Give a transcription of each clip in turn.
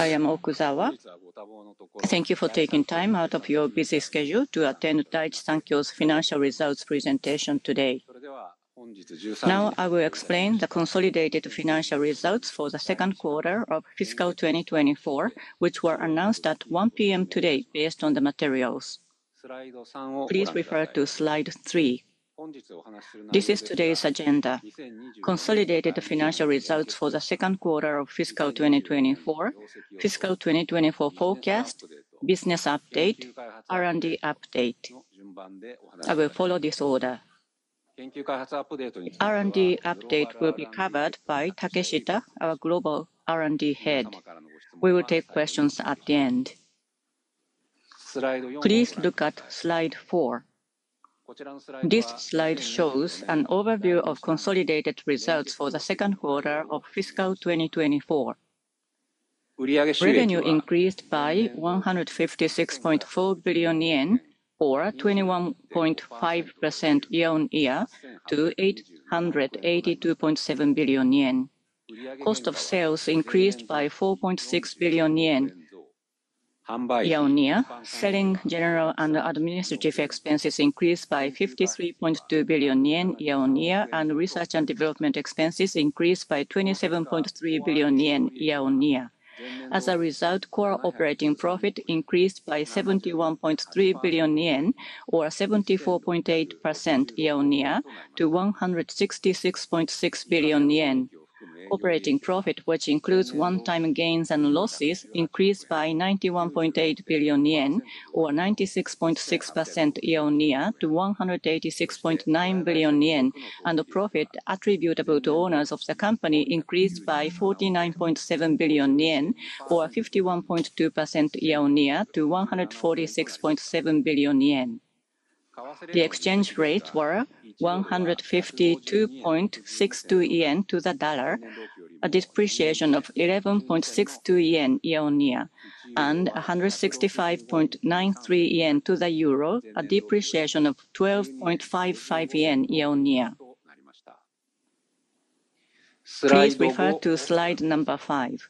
Saya Okuzawa. Thank you for taking time out of your busy schedule to attend Daiichi Sankyo's financial results presentation today. Now I will explain the consolidated financial results for the second quarter of fiscal 2024, which were announced at 1:00 P.M. today based on the materials. Please refer to slide 3. This is today's agenda: consolidated financial results for the second quarter of fiscal 2024, fiscal 2024 forecast, business update, R&D update. I will follow this order. R&D update will be covered by Takeshita, our global R&D head. We will take questions at the end. Please look at slide 4. This slide shows an overview of consolidated results for the second quarter of fiscal 2024. Revenue increased by 156.4 billion yen, or 21.5% year-on-year, to JPY 882.7 billion. Cost of sales increased by 4.6 billion yen year-on-year. Selling, general, and administrative expenses increased by 53.2 billion yen year-on-year, and research and development expenses increased by 27.3 billion yen year-on-year. As a result, core operating profit increased by 71.3 billion yen, or 74.8% year-on-year, to 166.6 billion yen. Operating profit, which includes one-time gains and losses, increased by 91.8 billion yen, or 96.6% year-on-year, to 186.9 billion yen, and the profit attributable to owners of the company increased by 49.7 billion yen, or 51.2% year-on-year, to 146.7 billion yen. The exchange rates were 152.62 yen to the dollar, a depreciation of 11.62 yen year-on-year, and 165.93 yen to the euro, a depreciation of 12.55 yen year-on-year. Please refer to slide number 5.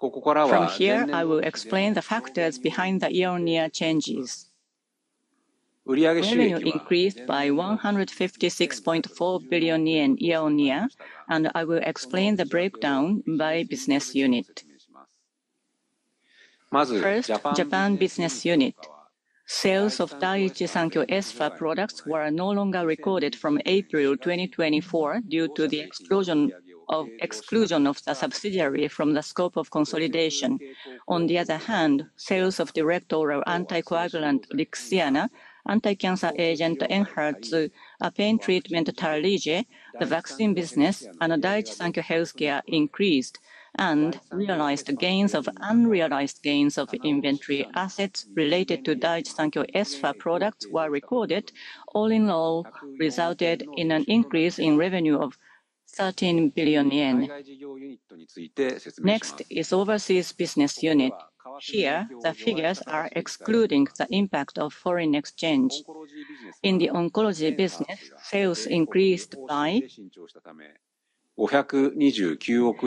From here, I will explain the factors behind the year-on-year changes. Revenue increased by JPY 156.4 billion year-on-year, and I will explain the breakdown by business unit. First, Japan business unit. Sales of Daiichi Sankyo's SPA products were no longer recorded from April 2024 due to the exclusion of the subsidiary from the HER3-Lung02 of consolidation. On the other hand, sales of the oral anticoagulant Lixiana, anti-cancer agent Enhertu, a pain treatment Tarlige, the vaccine business, and Daiichi Sankyo Healthcare increased, and realized gains of unrealized gains of inventory assets related to Daiichi Sankyo's SPA products were recorded. All in all, resulted in an increase in revenue of 13 billion yen. Next is overseas business unit. Here, the figures are excluding the impact of foreign exchange. In the oncology business, sales increased by 52.9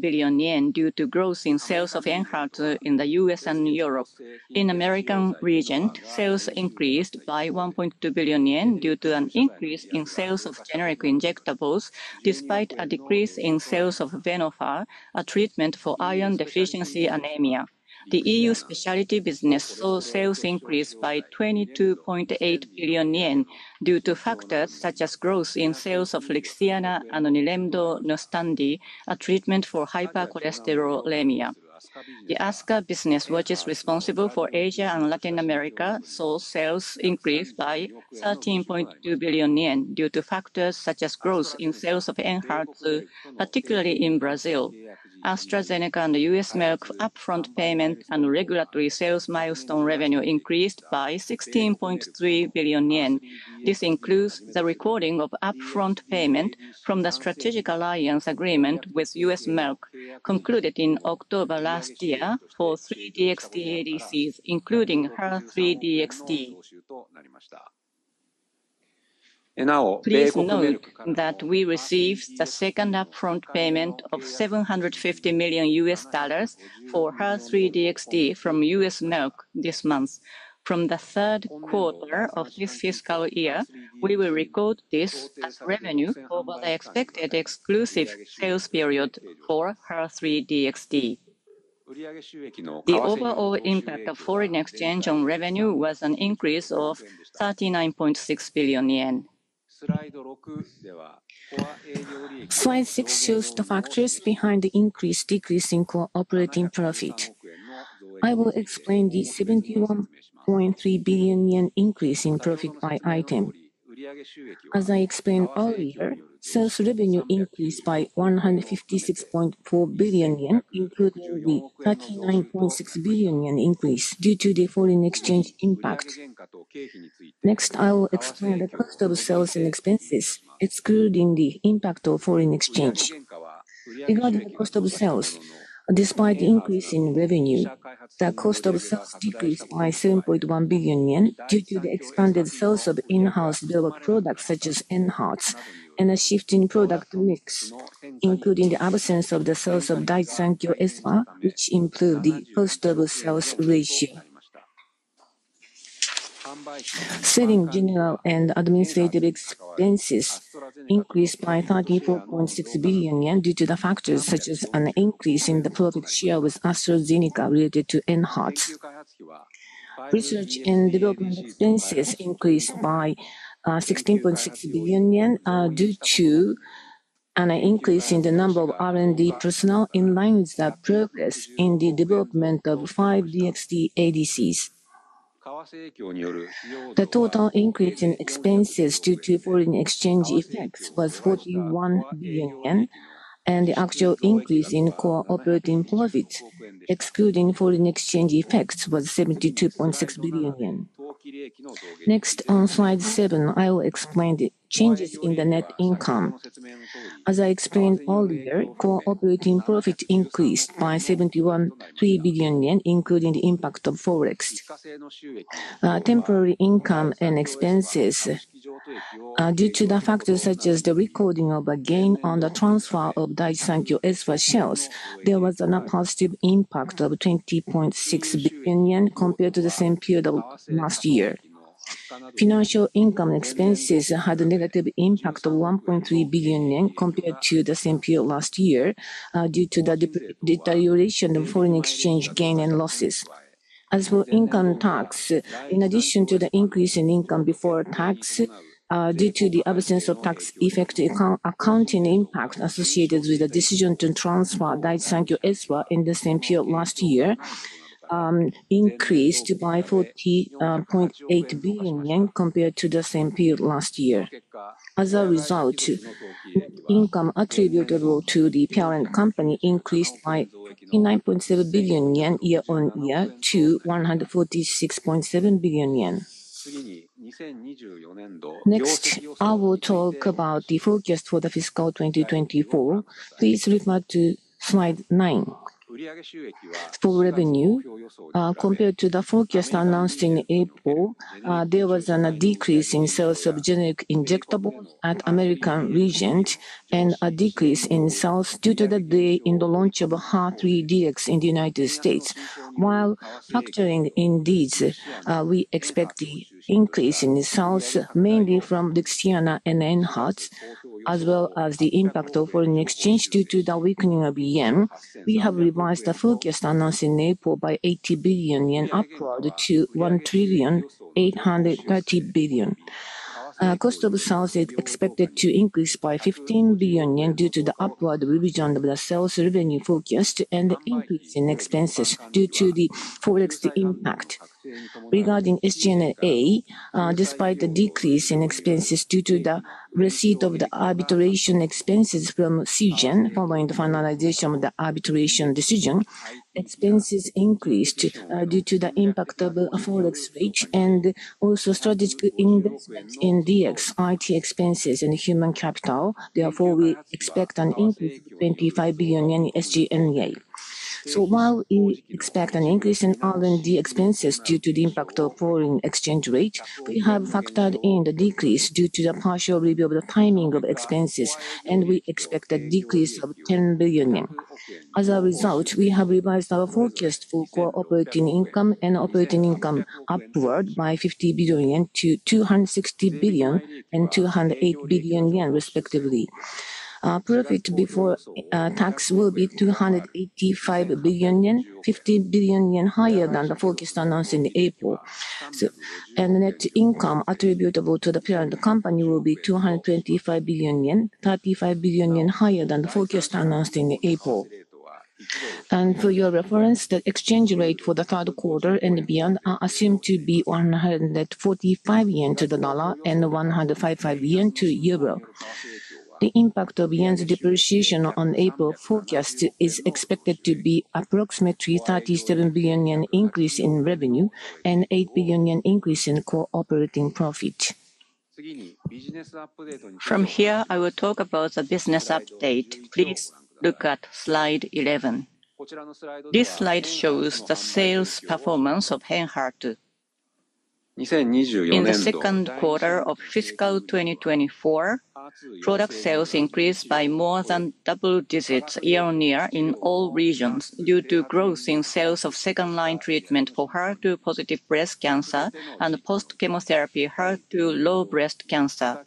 billion yen due to growth in sales of Enhertu in the U.S. and Europe. In the American region, sales increased by 1.2 billion yen due to an increase in sales of generic injectables, despite a decrease in sales of Venofer, a treatment for iron-deficiency anemia. The EU specialty business saw sales increase by 22.8 billion yen due to factors such as growth in sales of Lixiana and Nilemdo Nustendi, a treatment for hypercholesterolemia. The ASCA business, which is responsible for Asia and Latin America, saw sales increase by 13.2 billion yen due to factors such as growth in sales of Enhertu, particularly in Brazil. AstraZeneca and US Merck upfront payment and regulatory sales milestone revenue increased by 16.3 billion yen. This includes the recording of upfront payment from the Strategic Alliance Agreement with US Merck, concluded in October last year for three DXd ADCs, including HER3-DXd. Please note that we received the second upfront payment of $750 million for HER3-DXd from US Merck this month. From the third quarter of this fiscal year, we will record this as revenue over the expected exclusive sales period for HER3-DXd. The overall impact of foreign exchange on revenue was an increase of 39.6 billion yen. Slide 6 shows the factors behind the increase or decrease in core operating profit. I will explain the 71.3 billion yen increase in profit by item. As I explained earlier, sales revenue increased by 156.4 billion yen, including the 39.6 billion yen increase due to the foreign exchange impact. Next, I will explain the cost of sales and expenses, excluding the impact of foreign exchange. Regarding the cost of sales, despite the increase in revenue, the cost of sales decreased by 7.1 billion yen due to the expanded sales of in-house developed products such as Enhertu and a shift in product mix, including the absence of the sales of Daiichi Sankyo Espha, which improved the cost of sales ratio. Selling, general, and administrative expenses increased by 34.6 billion yen due to the factors such as an increase in the profit share with AstraZeneca related to Enhertu. Research and development expenses increased by 16.6 billion yen due to an increase in the number of R&D personnel in line with the progress in the development of 5 DXd ADCs. The total increase in expenses due to foreign exchange effects was 41 billion yen, and the actual increase in core operating profits, excluding foreign exchange effects, was 72.6 billion yen. Next, on slide 7, I will explain the changes in the net income. As I explained earlier, core operating profit increased by 71.3 billion yen, including the impact of forex. Temporary income and expenses, due to the factors such as the recording of a gain on the transfer of Daiichi Sankyo Espha shares, there was a positive impact of 20.6 billion compared to the same period of last year. Financial income and expenses had a negative impact of 1.3 billion yen compared to the same period last year due to the deterioration of foreign exchange gain and losses. As for income tax, in addition to the increase in income before tax, due to the absence of tax-effective accounting impact associated with the decision to transfer Daiichi Sankyo Espha in the same period last year, increased by 40.8 billion yen compared to the same period last year. As a result, income attributable to the parent company increased by 29.7 billion yen year-on-year to 146.7 billion yen. Next, I will talk about the forecast for the fiscal 2024. Please refer to slide 9. For revenue, compared to the forecast announced in April, there was a decrease in sales of generic injectable at American regions and a decrease in sales due to the delay in the launch of HER3-DXd in the United States. While factoring in these, we expect the increase in sales mainly from Lixiana and Enhertu, as well as the impact of foreign exchange due to the weakening of yen. We have revised the forecast announced in April by 80 billion yen upward to 1 trillion 830 billion. Cost of sales is expected to increase by 15 billion yen due to the upward revision of the sales revenue forecast and the increase in expenses due to the forex impact. Regarding SG&A, despite the decrease in expenses due to the receipt of the arbitration expenses from Seagen following the finalization of the arbitration decision, expenses increased due to the impact of forex rate and also strategic investments in DX, IT expenses, and human capital. Therefore, we expect an increase of 25 billion JPY in SG&A. So while we expect an increase in R&D expenses due to the impact of foreign exchange rate, we have factored in the decrease due to the partial review of the timing of expenses, and we expect a decrease of 10 billion JPY. As a result, we have revised our forecast for core operating income and operating income upward by 50 billion yen to 260 billion JPY and 208 billion yen, respectively. Profit before tax will be 285 billion yen, 50 billion yen higher than the forecast announced in April. Net income attributable to the parent company will be 225 billion yen, 35 billion yen higher than the forecast announced in April. For your reference, the exchange rate for the third quarter and beyond are assumed to be 145 yen to the USD and 155 JPY to the EUR. The impact of yen's depreciation on April forecast is expected to be approximately 37 billion yen increase in revenue and 8 billion yen increase in core operating profit. From here, I will talk about the business update. Please look at slide 11. This slide shows the sales performance of Enhertu in the second quarter of fiscal 2024. Product sales increased by more than double digits year-on-year in all regions due to growth in sales of second-line treatment for HER2-positive breast cancer and post-chemotherapy HER2-low breast cancer,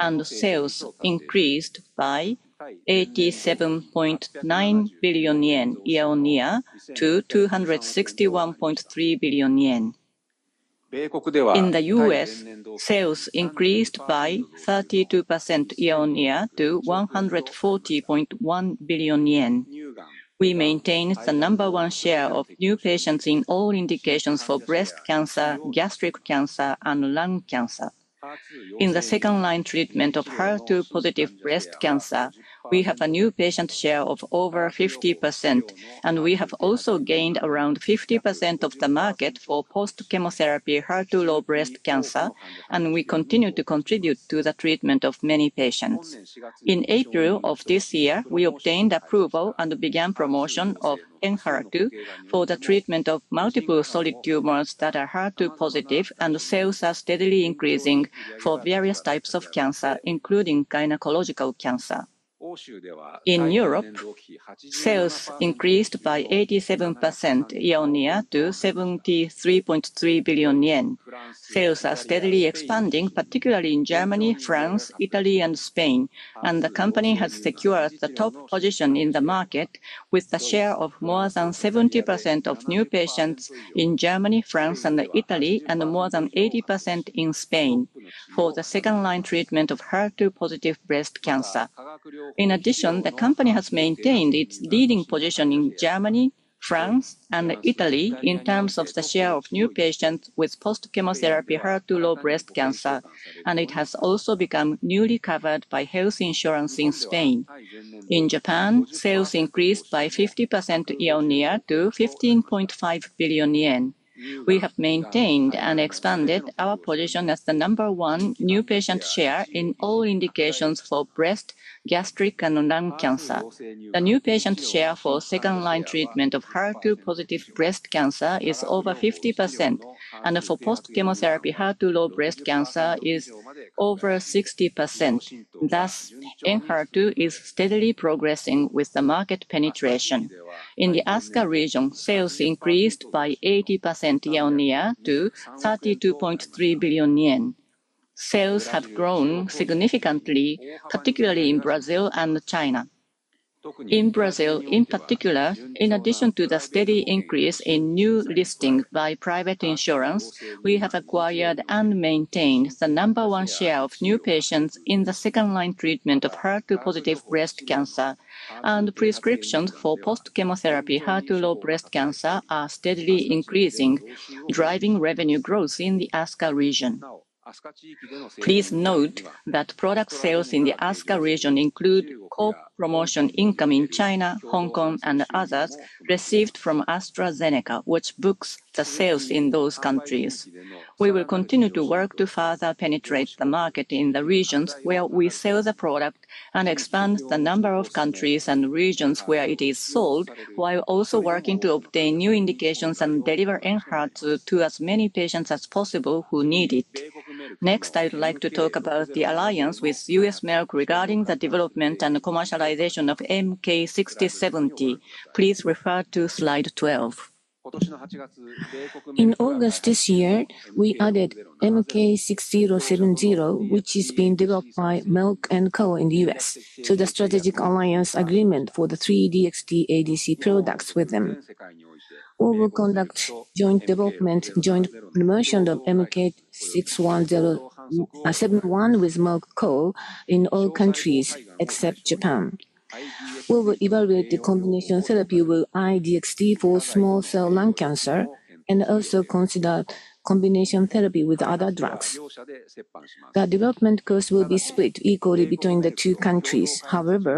and sales increased by 87.9 billion yen year-on-year to 261.3 billion yen. In the U.S., sales increased by 32% year-on-year to 140.1 billion yen. We maintain the number one share of new patients in all indications for breast cancer, gastric cancer, and lung cancer. In the second-line treatment of HER2-positive breast cancer, we have a new patient share of over 50%, and we have also gained around 50% of the market for post-chemotherapy HER2-low breast cancer, and we continue to contribute to the treatment of many patients. In April of this year, we obtained approval and began promotion of Enhertu for the treatment of multiple solid tumors that are HER2-positive, and sales are steadily increasing for various types of cancer, including gynecological cancer. In Europe, sales increased by 87% year-on-year to 73.3 billion yen. Sales are steadily expanding, particularly in Germany, France, Italy, and Spain, and the company has secured the top position in the market with a share of more than 70% of new patients in Germany, France, and Italy, and more than 80% in Spain for the second-line treatment of HER2-positive breast cancer. In addition, the company has maintained its leading position in Germany, France, and Italy in terms of the share of new patients with post-chemotherapy HER2-low breast cancer, and it has also become newly covered by health insurance in Spain. In Japan, sales increased by 50% year-on-year to 15.5 billion yen. We have maintained and expanded our position as the number one new patient share in all indications for breast, gastric, and lung cancer. The new patient share for second-line treatment of HER2-positive breast cancer is over 50%, and for post-chemotherapy HER2-low breast cancer is over 60%. Thus, Enhertu is steadily progressing with the market penetration. In the ASCA region, sales increased by 80% year-on-year to 32.3 billion yen. Sales have grown significantly, particularly in Brazil and China. In Brazil, in particular, in addition to the steady increase in new listings by private insurance, we have acquired and maintained the number one share of new patients in the second-line treatment of HER2-positive breast cancer, and prescriptions for post-chemotherapy HER2-low breast cancer are steadily increasing, driving revenue growth in the ASCA region. Please note that product sales in the ASCA region include core promotion income in China, Hong Kong, and others received from AstraZeneca, which books the sales in those countries. We will continue to work to further penetrate the market in the regions where we sell the product and expand the number of countries and regions where it is sold, while also working to obtain new indications and deliver Enhertu to as many patients as possible who need it. Next, I'd like to talk about the alliance with US Merck regarding the development and commercialization of MK-6070. Please refer to slide 12. In August this year, we added MK-6070, which is being developed by Merck and Co. in the US, to the Strategic Alliance Agreement for the three DXd ADC products with them. We will conduct joint development, joint promotion of MK-6070 with Merck Co. in all countries except Japan. We will evaluate the combination therapy with I-DXd for small cell lung cancer and also consider combination therapy with other drugs. The development cost will be split equally between the two countries. However,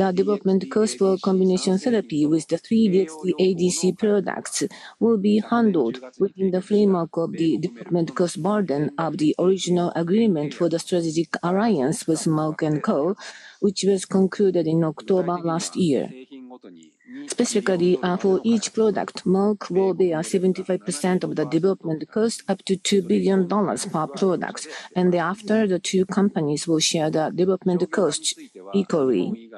the development cost for combination therapy with the three DXD ADC products will be handled within the framework of the development cost burden of the original agreement for the Strategic Alliance with Merck & Co., which was concluded in October last year. Specifically, for each product, Merck & Co. will bear 75% of the development cost, up to $2 billion per product, and thereafter the two companies will share the development cost equally.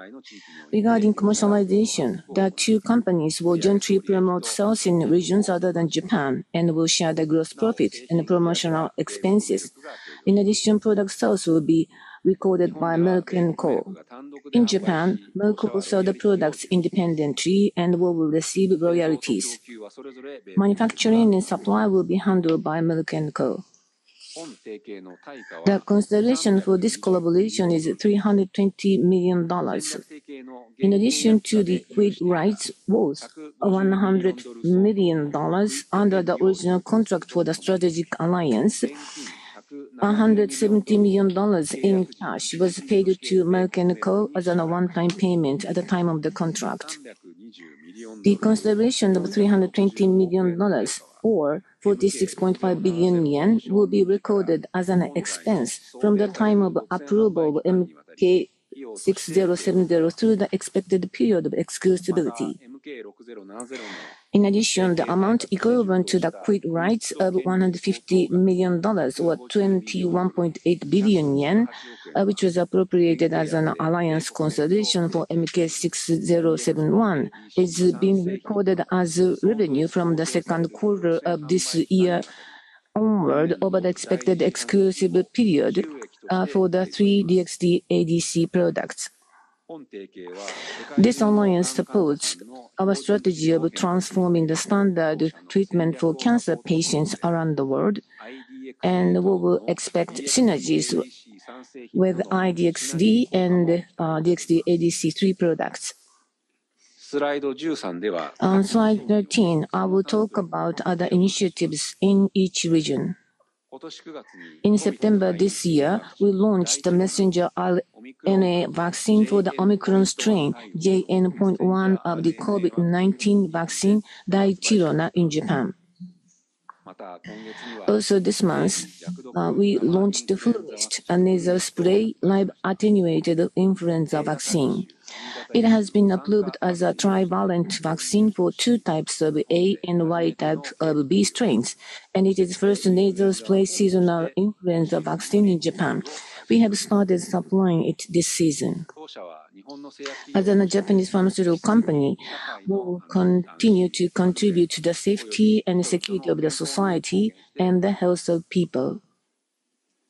Regarding commercialization, the two companies will jointly promote sales in regions other than Japan and will share the gross profit and promotional expenses. In addition, product sales will be recorded by Merck & Co. In Japan, Merck & Co. will sell the products independently and will receive royalties. Manufacturing and supply will be handled by Merck & Co. The consideration for this collaboration is $320 million. In addition to the credit worth of $100 million under the original contract for the Strategic Alliance, $170 million in cash was paid to Merck and Co. as a one-time payment at the time of the contract. The consideration of $320 million, or 46.5 billion yen, will be recorded as an expense from the time of approval of MK-6070 through the expected period of exclusivity. In addition, the amount equivalent to the credit of $150 million, or 21.8 billion yen, which was appropriated as an alliance consideration for MK6071, is being recorded as revenue from the second quarter of this year onward over the expected exclusive period for the three DXd ADC products. This alliance supports our strategy of transforming the standard treatment for cancer patients around the world, and we will expect synergies with I-DXd and DXd ADC3 products. On slide 13, I will talk about other initiatives in each region. In September this year, we launched the messenger RNA vaccine for the Omicron strain JN.1 of the COVID-19 vaccine Daichirona in Japan. Also, this month, we launched the FluMist nasal spray live attenuated influenza vaccine. It has been approved as a trivalent vaccine for two types of A and Yamagata type of B strains, and it is the first nasal spray seasonal influenza vaccine in Japan. We have started supplying it this season. As a Japanese pharmaceutical company, we will continue to contribute to the safety and security of the society and the health of people.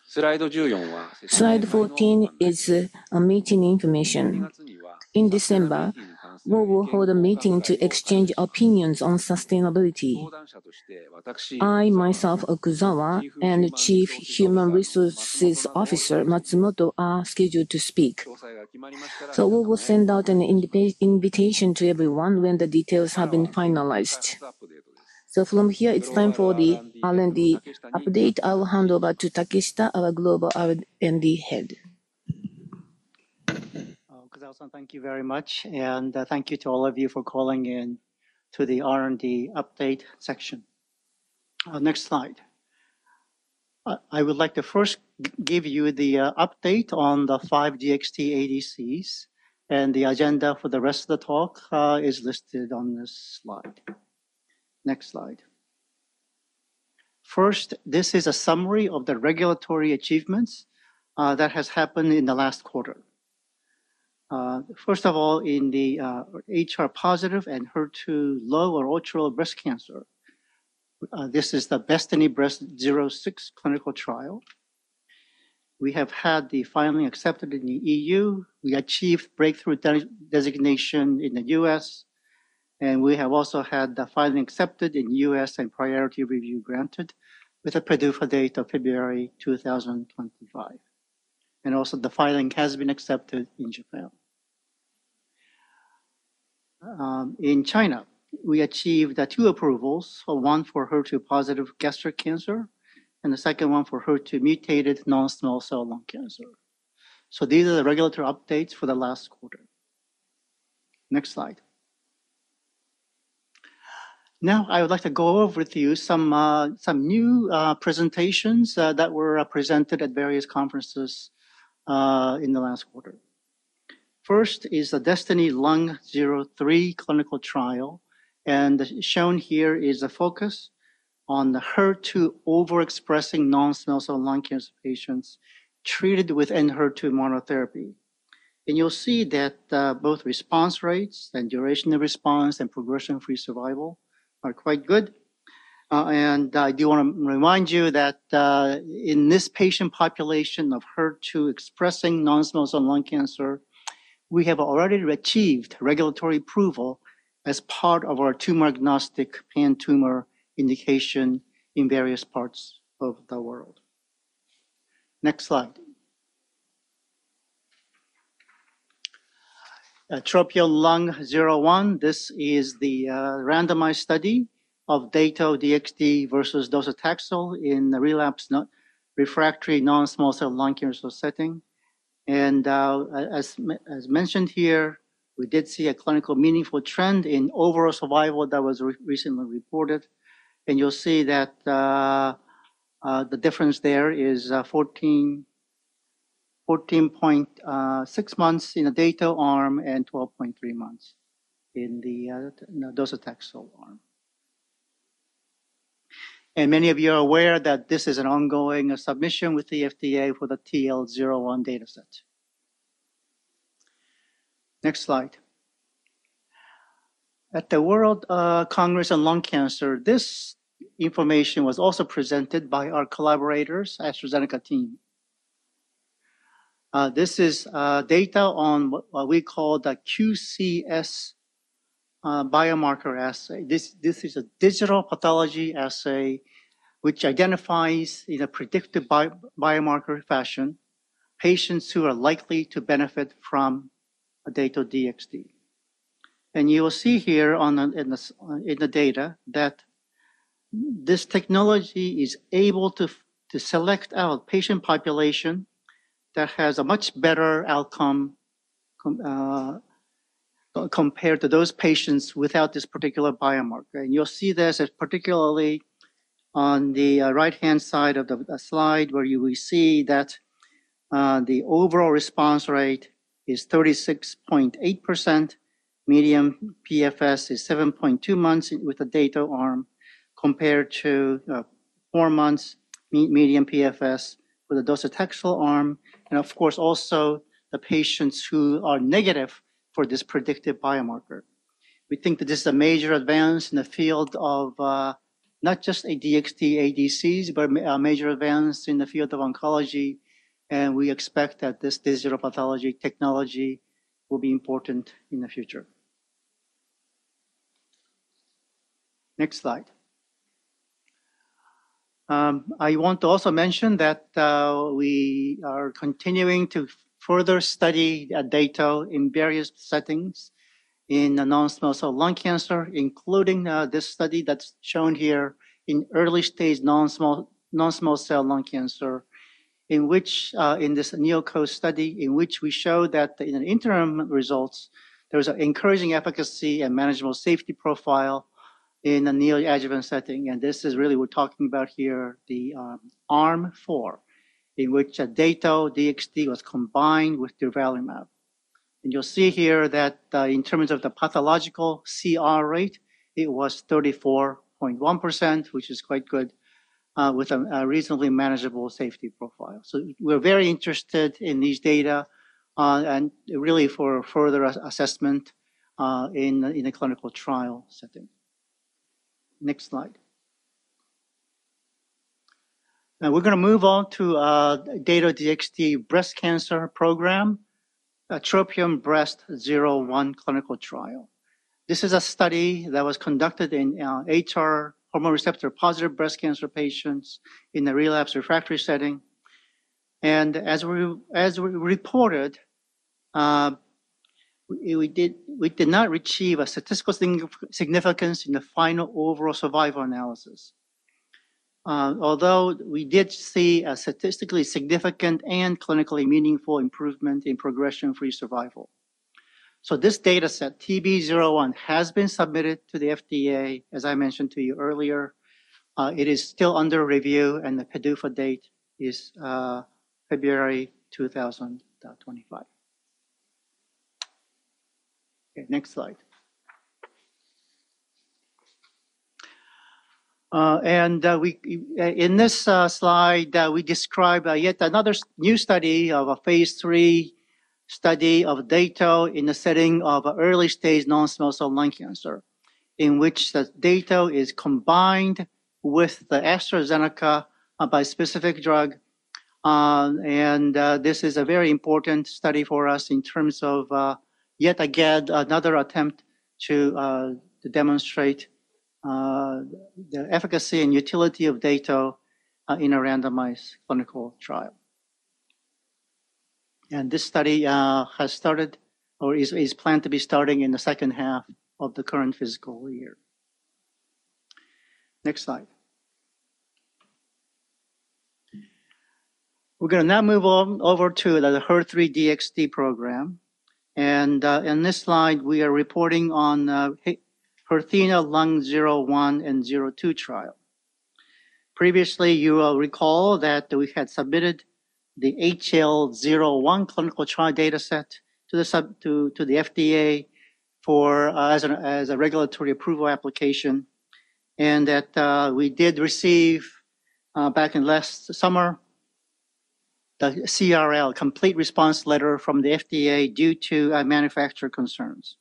Slide 14 is a meeting information. In December, we will hold a meeting to exchange opinions on sustainability. I, myself, Okuzawa, and Chief Human Resources Officer Matsumoto are scheduled to speak. We will send out an invitation to everyone when the details have been finalized. From here, it's time for the R&D update. I will hand over to Takeshita, our Global Head of R&D. Thank you very much, and thank you to all of you for calling in to the R&D update section. Next slide. I would like to first give you the update on the five DXd ADCs, and the agenda for the rest of the talk is listed on this slide. Next slide. First, this is a summary of the regulatory achievements that have happened in the last quarter. First of all, in the HR-positive and HER2-low or ultra-low breast cancer, this is the DESTINY-Breast06 clinical trial. We have had the final accepted in the EU. We achieved breakthrough designation in the U.S., and we have also had the final accepted in the U.S. and priority review granted with a PDUFA date of February 2025, and also the filing has been accepted in Japan. In China, we achieved two approvals, one for HER2-positive gastric cancer and the second one for HER2-mutated non-small cell lung cancer. So these are the regulatory updates for the last quarter. Next slide. Now, I would like to go over with you some new presentations that were presented at various conferences in the last quarter. First is the Destiny Lung 03 clinical trial, and shown here is a focus on the HER2 overexpressing non-small cell lung cancer patients treated with Enhertu monotherapy. And you'll see that both response rates and duration of response and progression-free survival are quite good. I do want to remind you that in this patient population of HER2-expressing non-small cell lung cancer, we have already achieved regulatory approval as part of our tumor-agnostic pan-tumor indication in various parts of the world. Next slide. TROPION-Lung01. This is the randomized study of Dato-DXd versus docetaxel in the relapsed refractory non-small cell lung cancer setting. And as mentioned here, we did see a clinically meaningful trend in overall survival that was recently reported. And you'll see that the difference there is 14.6 months in the Dato-DXd arm and 12.3 months in the docetaxel arm. And many of you are aware that this is an ongoing submission with the FDA for the TL01 dataset. Next slide. At the World Congress on Lung Cancer, this information was also presented by our collaborators, AstraZeneca team. This is data on what we call the QCS biomarker assay. This is a digital pathology assay which identifies in a predictive biomarker fashion patients who are likely to benefit from Dato-DXd. And you will see here in the data that this technology is able to select out patient population that has a much better outcome compared to those patients without this particular biomarker. And you'll see this particularly on the right-hand side of the slide where you will see that the overall response rate is 36.8%, median PFS is 7.2 months with the Dato-DXd arm compared to four months median PFS with the docetaxel arm. And of course, also the patients who are negative for this predictive biomarker. We think that this is a major advance in the field of not just DXd ADCs, but a major advance in the field of oncology. And we expect that this digital pathology technology will be important in the future. Next slide. I want to also mention that we are continuing to further study Dato-DXd in various settings in non-small cell lung cancer, including this study that's shown here in early stage non-small cell lung cancer, in which in this NeoCOAST study in which we show that in the interim results, there was an encouraging efficacy and manageable safety profile in a neoadjuvant setting. And this is really we're talking about here the arm four in which Dato-DXd was combined with Durvalumab. And you'll see here that in terms of the pathological CR rate, it was 34.1%, which is quite good with a reasonably manageable safety profile. So we're very interested in these data and really for further assessment in the clinical trial setting. Next slide. Now we're going to move on to Dato-DXd breast cancer program, TROPION-Breast01 clinical trial. This is a study that was conducted in HR hormone receptor positive breast cancer patients in the relapse refractory setting, and as we reported, we did not retrieve a statistical significance in the final overall survival analysis, although we did see a statistically significant and clinically meaningful improvement in progression-free survival, so this dataset, TB01, has been submitted to the FDA, as I mentioned to you earlier. It is still under review, and the PDUFA date is February 2025. Okay, next slide, and in this slide, we describe yet another new study of a phase three study of Dato in the setting of early stage non-small cell lung cancer, in which the Dato is combined with the AstraZeneca bispecific drug, and this is a very important study for us in terms of yet again another attempt to demonstrate the efficacy and utility of Dato in a randomized clinical trial. This study has started or is planned to be starting in the second half of the current fiscal year. Next slide. We're going to now move over to the HER3-DXd program. In this slide, we are reporting on HER3-Lung01 and 02 trial. Previously, you will recall that we had submitted the HL01 clinical trial dataset to the FDA as a regulatory approval application, and that we did receive back in last summer the CRL, complete response letter from the FDA due to manufacturer concerns.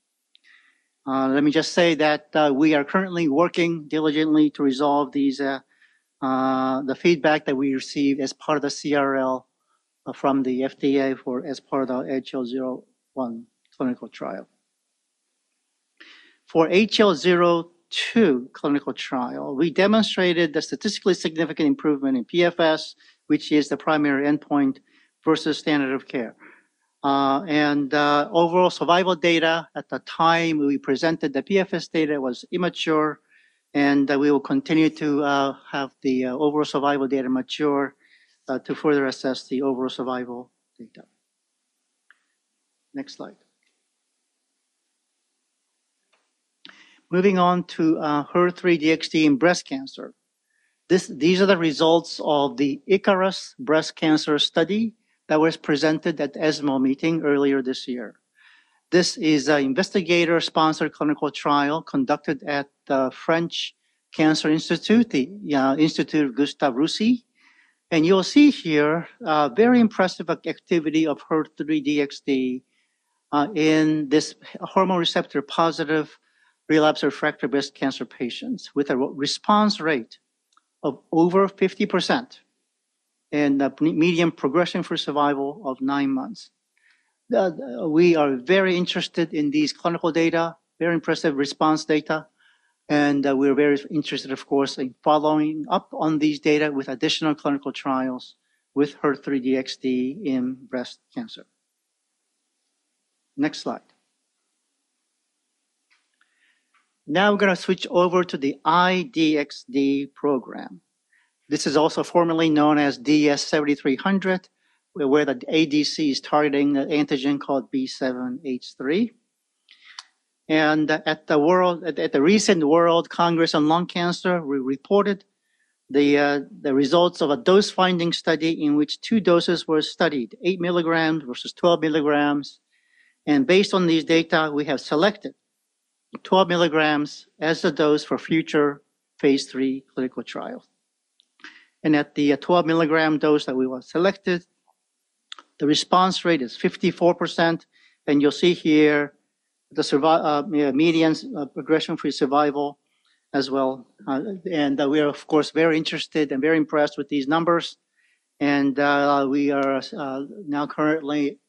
Let me just say that we are currently working diligently to resolve the feedback that we received as part of the CRL from the FDA as part of the HL01 clinical trial. For HL02 clinical trial, we demonstrated the statistically significant improvement in PFS, which is the primary endpoint versus standard of care. Overall survival data at the time we presented the PFS data was immature, and we will continue to have the overall survival data mature to further assess the overall survival data. Next slide. Moving on to HER3-DXd in breast cancer. These are the results of the ICARUS breast cancer study that was presented at the ESMO meeting earlier this year. This is an investigator-sponsored clinical trial conducted at the French Cancer Institute, the Gustave Roussy Institute. And you'll see here very impressive activity of HER3-DXd in this hormone receptor positive relapse refractory breast cancer patients with a response rate of over 50% and a median progression-free survival of nine months. We are very interested in these clinical data, very impressive response data, and we're very interested, of course, in following up on these data with additional clinical trials with HER3-DXd in breast cancer. Next slide. Now we're going to switch over to the I-DXd program. This is also formerly known as DS-7300, where the ADC is targeting the antigen called B7-H3. And at the recent World Congress on Lung Cancer, we reported the results of a dose-finding study in which two doses were studied, eight milligrams versus 12 milligrams. And based on these data, we have selected 12 milligrams as a dose for future phase three clinical trial. And at the 12 milligram dose that we were selected, the response rate is 54%. And you'll see here the median progression-free survival as well. And we are, of course, very interested and very impressed with these numbers. And we are now currently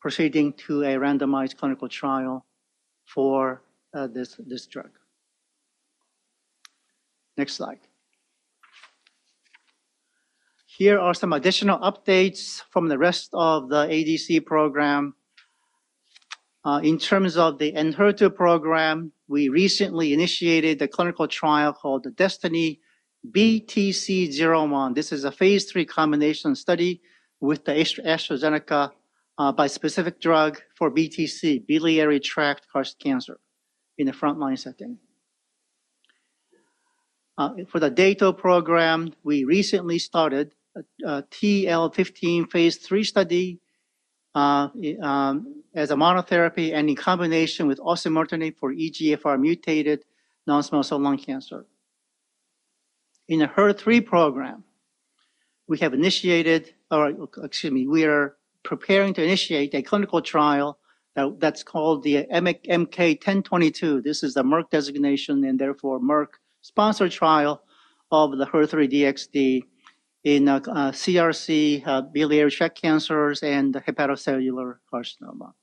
proceeding to a randomized clinical trial for this drug. Next slide. Here are some additional updates from the rest of the ADC program. In terms of the Enhertu program, we recently initiated the clinical trial called the Destiny BTC01. This is a phase three combination study with the AstraZeneca bispecific drug for BTC, biliary tract carcinoma, in the frontline setting. For the Dato program, we recently started a TL15 phase three study as a monotherapy and in combination with Osimertinib for EGFR-mutated non-small cell lung cancer. In the HER3 program, we have initiated, or excuse me, we are preparing to initiate a clinical trial that's called the MK-1022. This is the Merck designation and therefore Merck-sponsored trial of the HER3-DXd in CRC, biliary tract cancers, and hepatocellular carcinoma.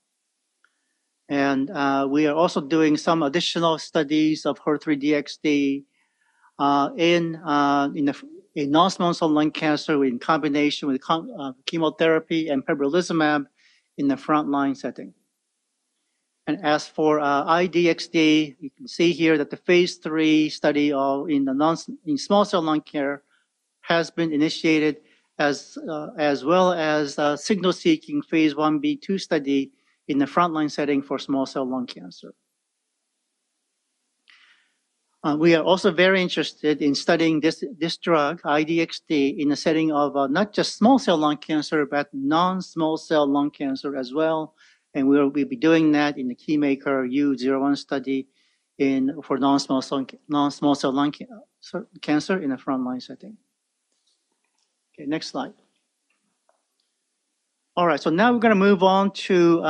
We are also doing some additional studies of HER3-DXd in non-small cell lung cancer in combination with chemotherapy and Pembrolizumab in the frontline setting. As for I-DXd, you can see here that the phase three study in small cell lung cancer has been initiated as well as a signal-seeking phase one B2 study in the frontline setting for small cell lung cancer. We are also very interested in studying this drug, I-DXd, in the setting of not just small cell lung cancer, but non-small cell lung cancer as well. We'll be doing that in the KeyMaker U01 study for non-small cell lung cancer in the frontline setting. Okay, next slide. All right, so now we're going to move on to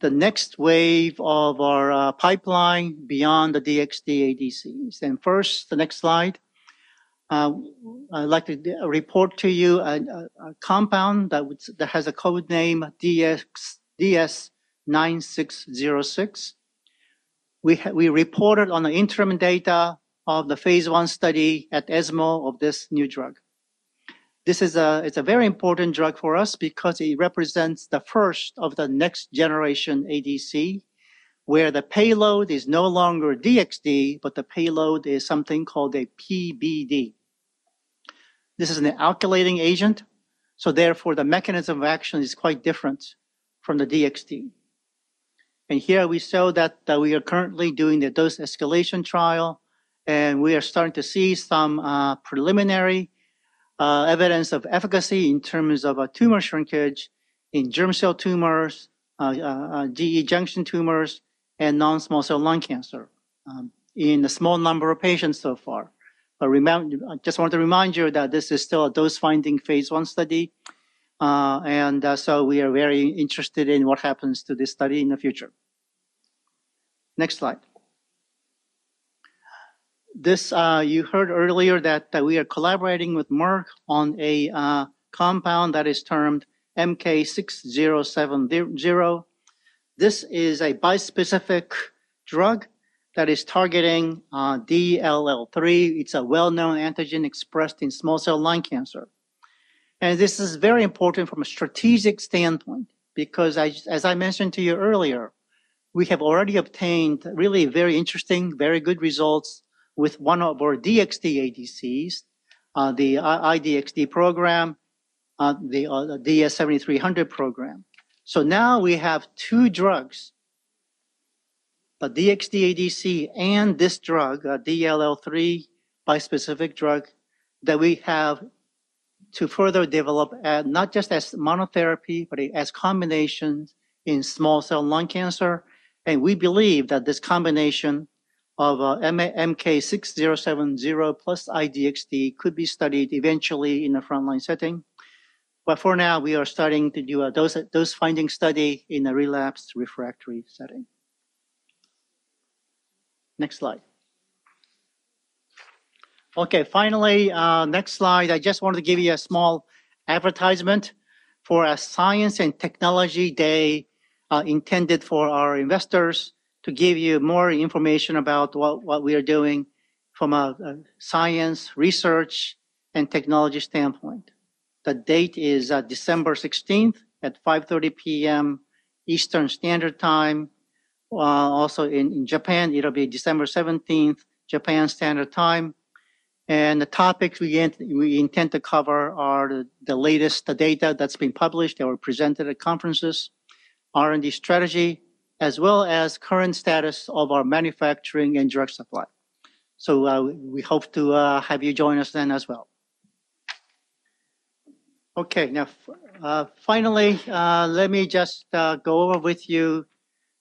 the next wave of our pipeline beyond the DXd ADC. First, the next slide. I'd like to report to you a compound that has a code name DS-9606. We reported on the interim data of the phase one study at ESMO of this new drug. This is a very important drug for us because it represents the first of the next generation ADC, where the payload is no longer DXd, but the payload is something called a PBD. This is an alkylating agent. So therefore, the mechanism of action is quite different from the DXd. And here we show that we are currently doing the dose escalation trial, and we are starting to see some preliminary evidence of efficacy in terms of tumor shrinkage in germ cell tumors, GE junction tumors, and non-small cell lung cancer in a small number of patients so far. I just wanted to remind you that this is still a dose-finding phase one study. And so we are very interested in what happens to this study in the future. Next slide. You heard earlier that we are collaborating with Merck on a compound that is termed MK-6070. This is a bispecific drug that is targeting DLL3. It's a well-known antigen expressed in small cell lung cancer. And this is very important from a strategic standpoint because, as I mentioned to you earlier, we have already obtained really very interesting, very good results with one of our DXd ADCs, the I-DXd program, the DS-7300 program. So now we have two drugs, a DXd ADC and this drug, a DLL3 bispecific drug, that we have to further develop not just as monotherapy, but as combinations in small cell lung cancer. And we believe that this combination of MK-6070 plus I-DXd could be studied eventually in the frontline setting. But for now, we are starting to do a dose-finding study in a relapse refractory setting. Next slide. Okay, finally, next slide. I just wanted to give you a small advertisement for a science and technology day intended for our investors to give you more information about what we are doing from a science, research, and technology standpoint. The date is December 16th at 5:30 P.M. Eastern Standard Time. Also in Japan, it'll be December 17th, Japan Standard Time, and the topics we intend to cover are the latest data that's been published or presented at conferences, R&D strategy, as well as current status of our manufacturing and drug supply, so we hope to have you join us then as well. Okay, now finally, let me just go over with you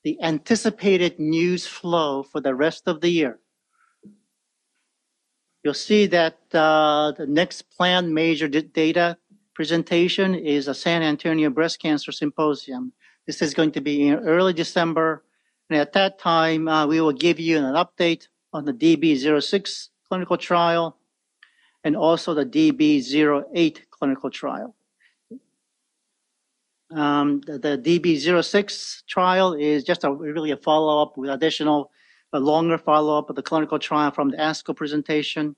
the anticipated news flow for the rest of the year. You'll see that the next planned major data presentation is a San Antonio Breast Cancer Symposium. This is going to be in early December. At that time, we will give you an update on the DB06 clinical trial and also the DB08 clinical trial. The DB06 trial is just really a longer follow-up of the clinical trial from the ASCO presentation.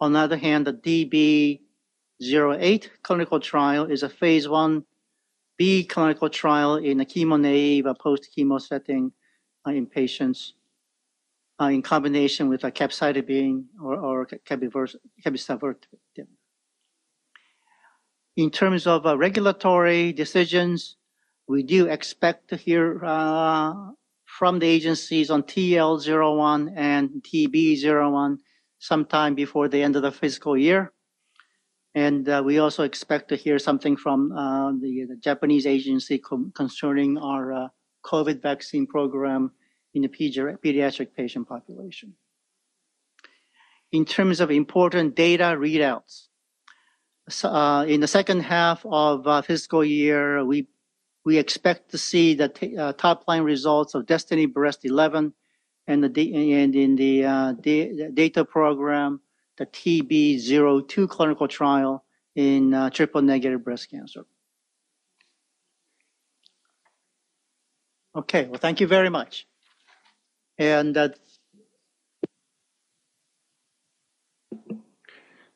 On the other hand, the DB08 clinical trial is a phase 1b clinical trial in a chemo-naive or post-chemo setting in patients in combination with a capecitabine or cabezavir tablet. In terms of regulatory decisions, we do expect to hear from the agencies on TL01 and TB01 sometime before the end of the fiscal year. We also expect to hear something from the Japanese agency concerning our COVID vaccine program in the pediatric patient population. In terms of important data readouts, in the second half of fiscal year, we expect to see the top line results of DESTINY-Breast11 and in the Dato program, the TROPION-Breast02 clinical trial in triple-negative breast cancer. Okay, well, thank you very much.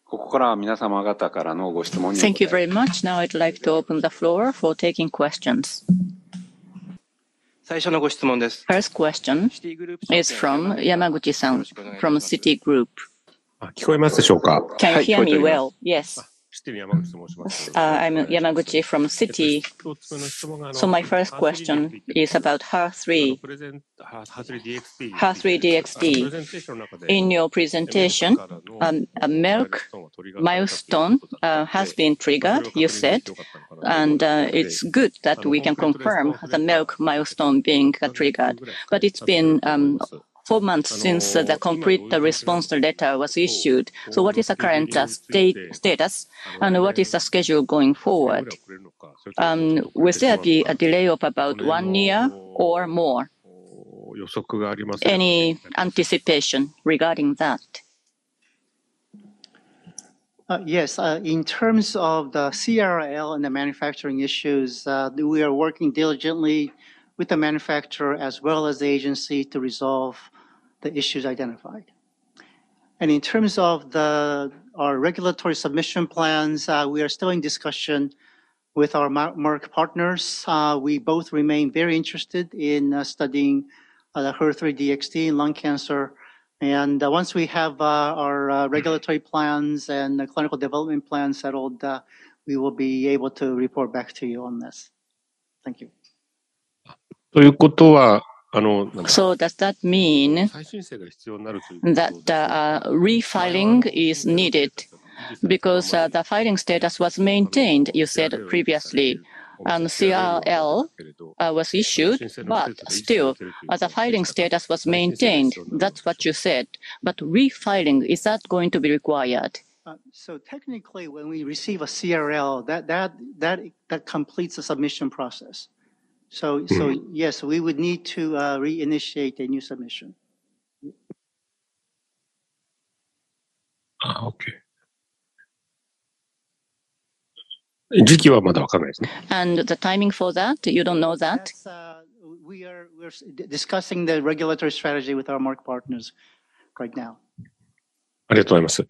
ここからは皆様方からのご質問に。Thank you very much. Now I'd like to open the floor for taking questions. 最初のご質問です。First question is from Yamaguchi-san from Citigroup. 聞こえますでしょうか。Can you hear me well? Yes. シティの山口と申します。I'm Yamaguchi from Citigroup. So my first question is about HER3. HER3-DXd. In your presentation, a Merck milestone has been triggered, you said, and it's good that we can confirm the Merck milestone being triggered. But it's been four months since the complete response letter was issued. So what is the current status and what is the schedule going forward? Will there be a delay of about one year or more? Any anticipation regarding that? Yes, in terms of the CRL and the manufacturing issues, we are working diligently with the manufacturer as well as the agency to resolve the issues identified. And in terms of our regulatory submission plans, we are still in discussion with our Merck partners. We both remain very interested in studying the HER3-DXd in lung cancer. And once we have our regulatory plans and clinical development plans settled, we will be able to report back to you on this. Thank you. ということは。So does that mean? 再申請が必要になるということですか? That refiling is needed because the filing status was maintained, you said previously, and CRL was issued, but still the filing status was maintained. That's what you said. But refiling, is that going to be required? So technically, when we receive a CRL, that completes the submission process. So yes, we would need to reinitiate a new submission. Okay. 時期はまだわかんないですね. And the timing for that, you don't know that? We are discussing the regulatory strategy with our Merck partners right now. ありがとうございます。あと二つ目.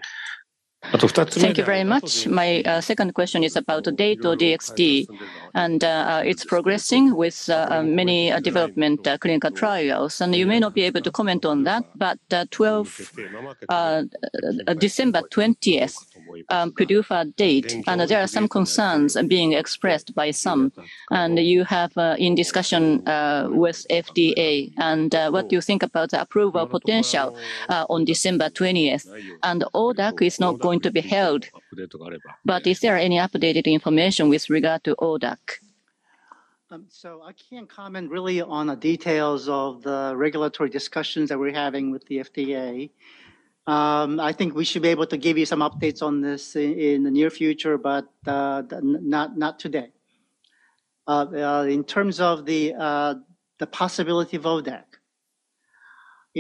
Thank you very much. My second question is about the Dato-DXd, and it's progressing with many development clinical trials. And you may not be able to comment on that, but December 20th PDUFA date, and there are some concerns being expressed by some. And you have in discussion with FDA, and what do you think about the approval potential on December 20th? And ODAC is not going to be held. But is there any updated information with regard to ODAC? So I can't comment really on the details of the regulatory discussions that we're having with the FDA. I think we should be able to give you some updates on this in the near future, but not today. In terms of the possibility of ODAC,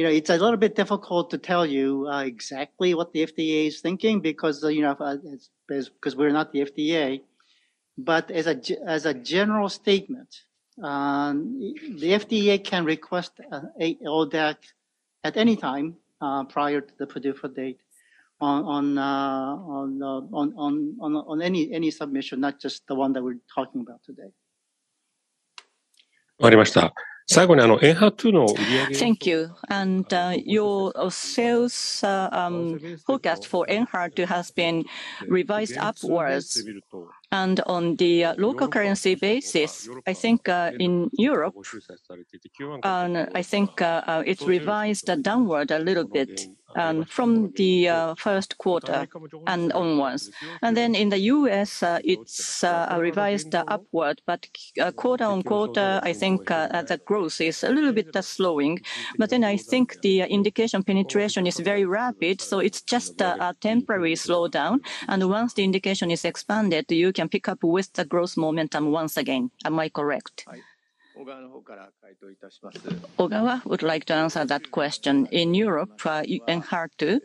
it's a little bit difficult to tell you exactly what the FDA is thinking because we're not the FDA. But as a general statement, the FDA can request ODAC at any time prior to the PDUFA date on any submission, not just the one that we're talking about today. わかりました。最後にEnhertuの売上。Thank you. And your sales for Enhertu has been revised upwards. And on the local currency basis, I think in Europe, I think it's revised downward a little bit from the first quarter and onwards. And then in the US, it's revised upward. But quarter on quarter, I think the growth is a little bit slowing. But then I think the indication penetration is very rapid. So it's just a temporary slowdown. And once the indication is expanded, you can pick up with the growth momentum once again. Am I correct? 小川の方から回答いたします. Ogawa would like to answer that question. In Europe, Enhertu,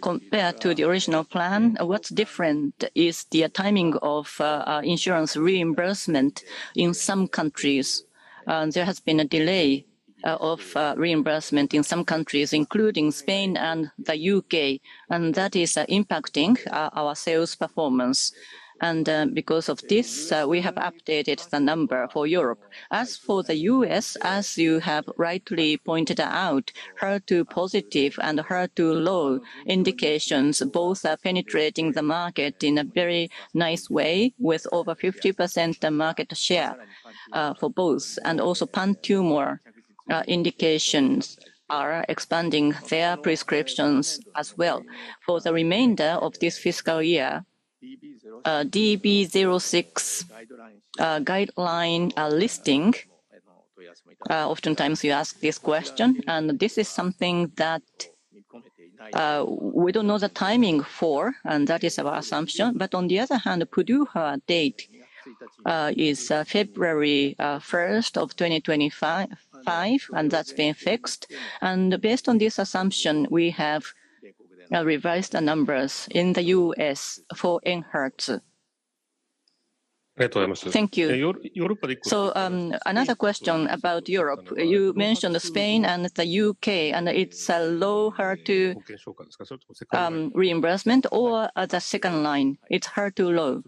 compared to the original plan, what's different is the timing of insurance reimbursement in some countries. There has been a delay of reimbursement in some countries, including Spain and the U.K., and that is impacting our sales performance, and because of this, we have updated the number for Europe. As for the U.S., as you have rightly pointed out, HER2 positive and HER2 low indications both are penetrating the market in a very nice way with over 50% market share for both, and also pan tumor indications are expanding their prescriptions as well. For the remainder of this fiscal year, DB06 guideline listing. Oftentimes you ask this question, and this is something that we don't know the timing for, and that is our assumption. But on the other hand, PDUFA date is February 1st of 2025, and that's been fixed. And based on this assumption, we have revised the numbers in the U.S. for Enhertu. Thank you. So another question about Europe. You mentioned Spain and the U.K., and it's a low HER2 reimbursement or the second line? It's HER2 low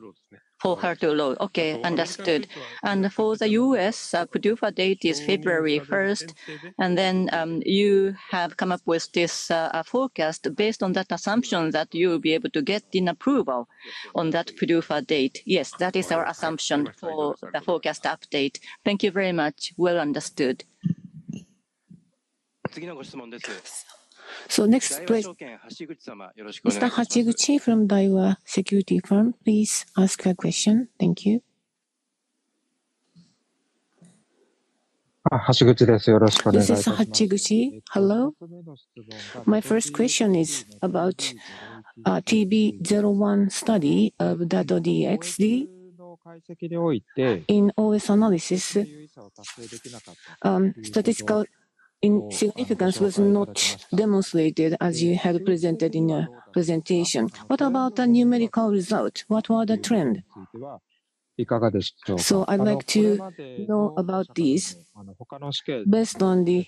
for HER2 low. Okay, understood. And for the U.S., PDUFA date is February 1st, and then you have come up with this forecast based on that assumption that you will be able to get an approval on that PDUFA date. Yes, that is our assumption for the forecast update. Thank you very much. Well understood. 次のご質問です。So next question. 八口様、よろしくお願いします。Mr. Hashiguchi from Daiwa Securities, please ask a question. Thank you. 八口です。よろしくお願いします。This is Hashiguchi. Hello. My first question is about TB01 study of Dato-DXd in OS analysis. Statistical significance was not demonstrated as you have presented in your presentation. What about the numerical result? What were the trends? So I'd like to know about these. Based on the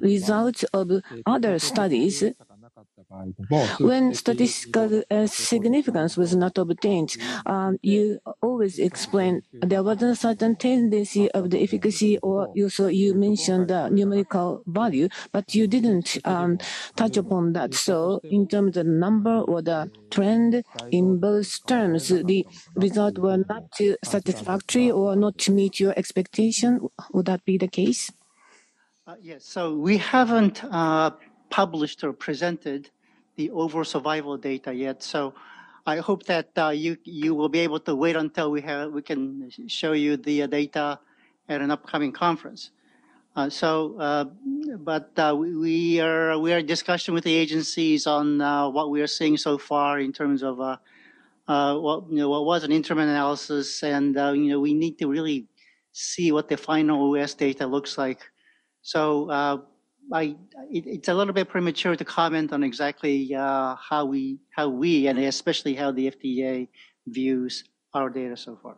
results of other studies, when statistical significance was not obtained, you always explained there was a certain tendency of the efficacy, or you mentioned the numerical value, but you didn't touch upon that. So in terms of the number or the trend in both terms, the results were not satisfactory or not to meet your expectation. Would that be the case? Yes, so we haven't published or presented the overall survival data yet. So I hope that you will be able to wait until we can show you the data at an upcoming conference. But we are in discussion with the agencies on what we are seeing so far in terms of what was an interim analysis, and we need to really see what the final OS data looks like. So it's a little bit premature to comment on exactly how we, and especially how the FDA views our data so far.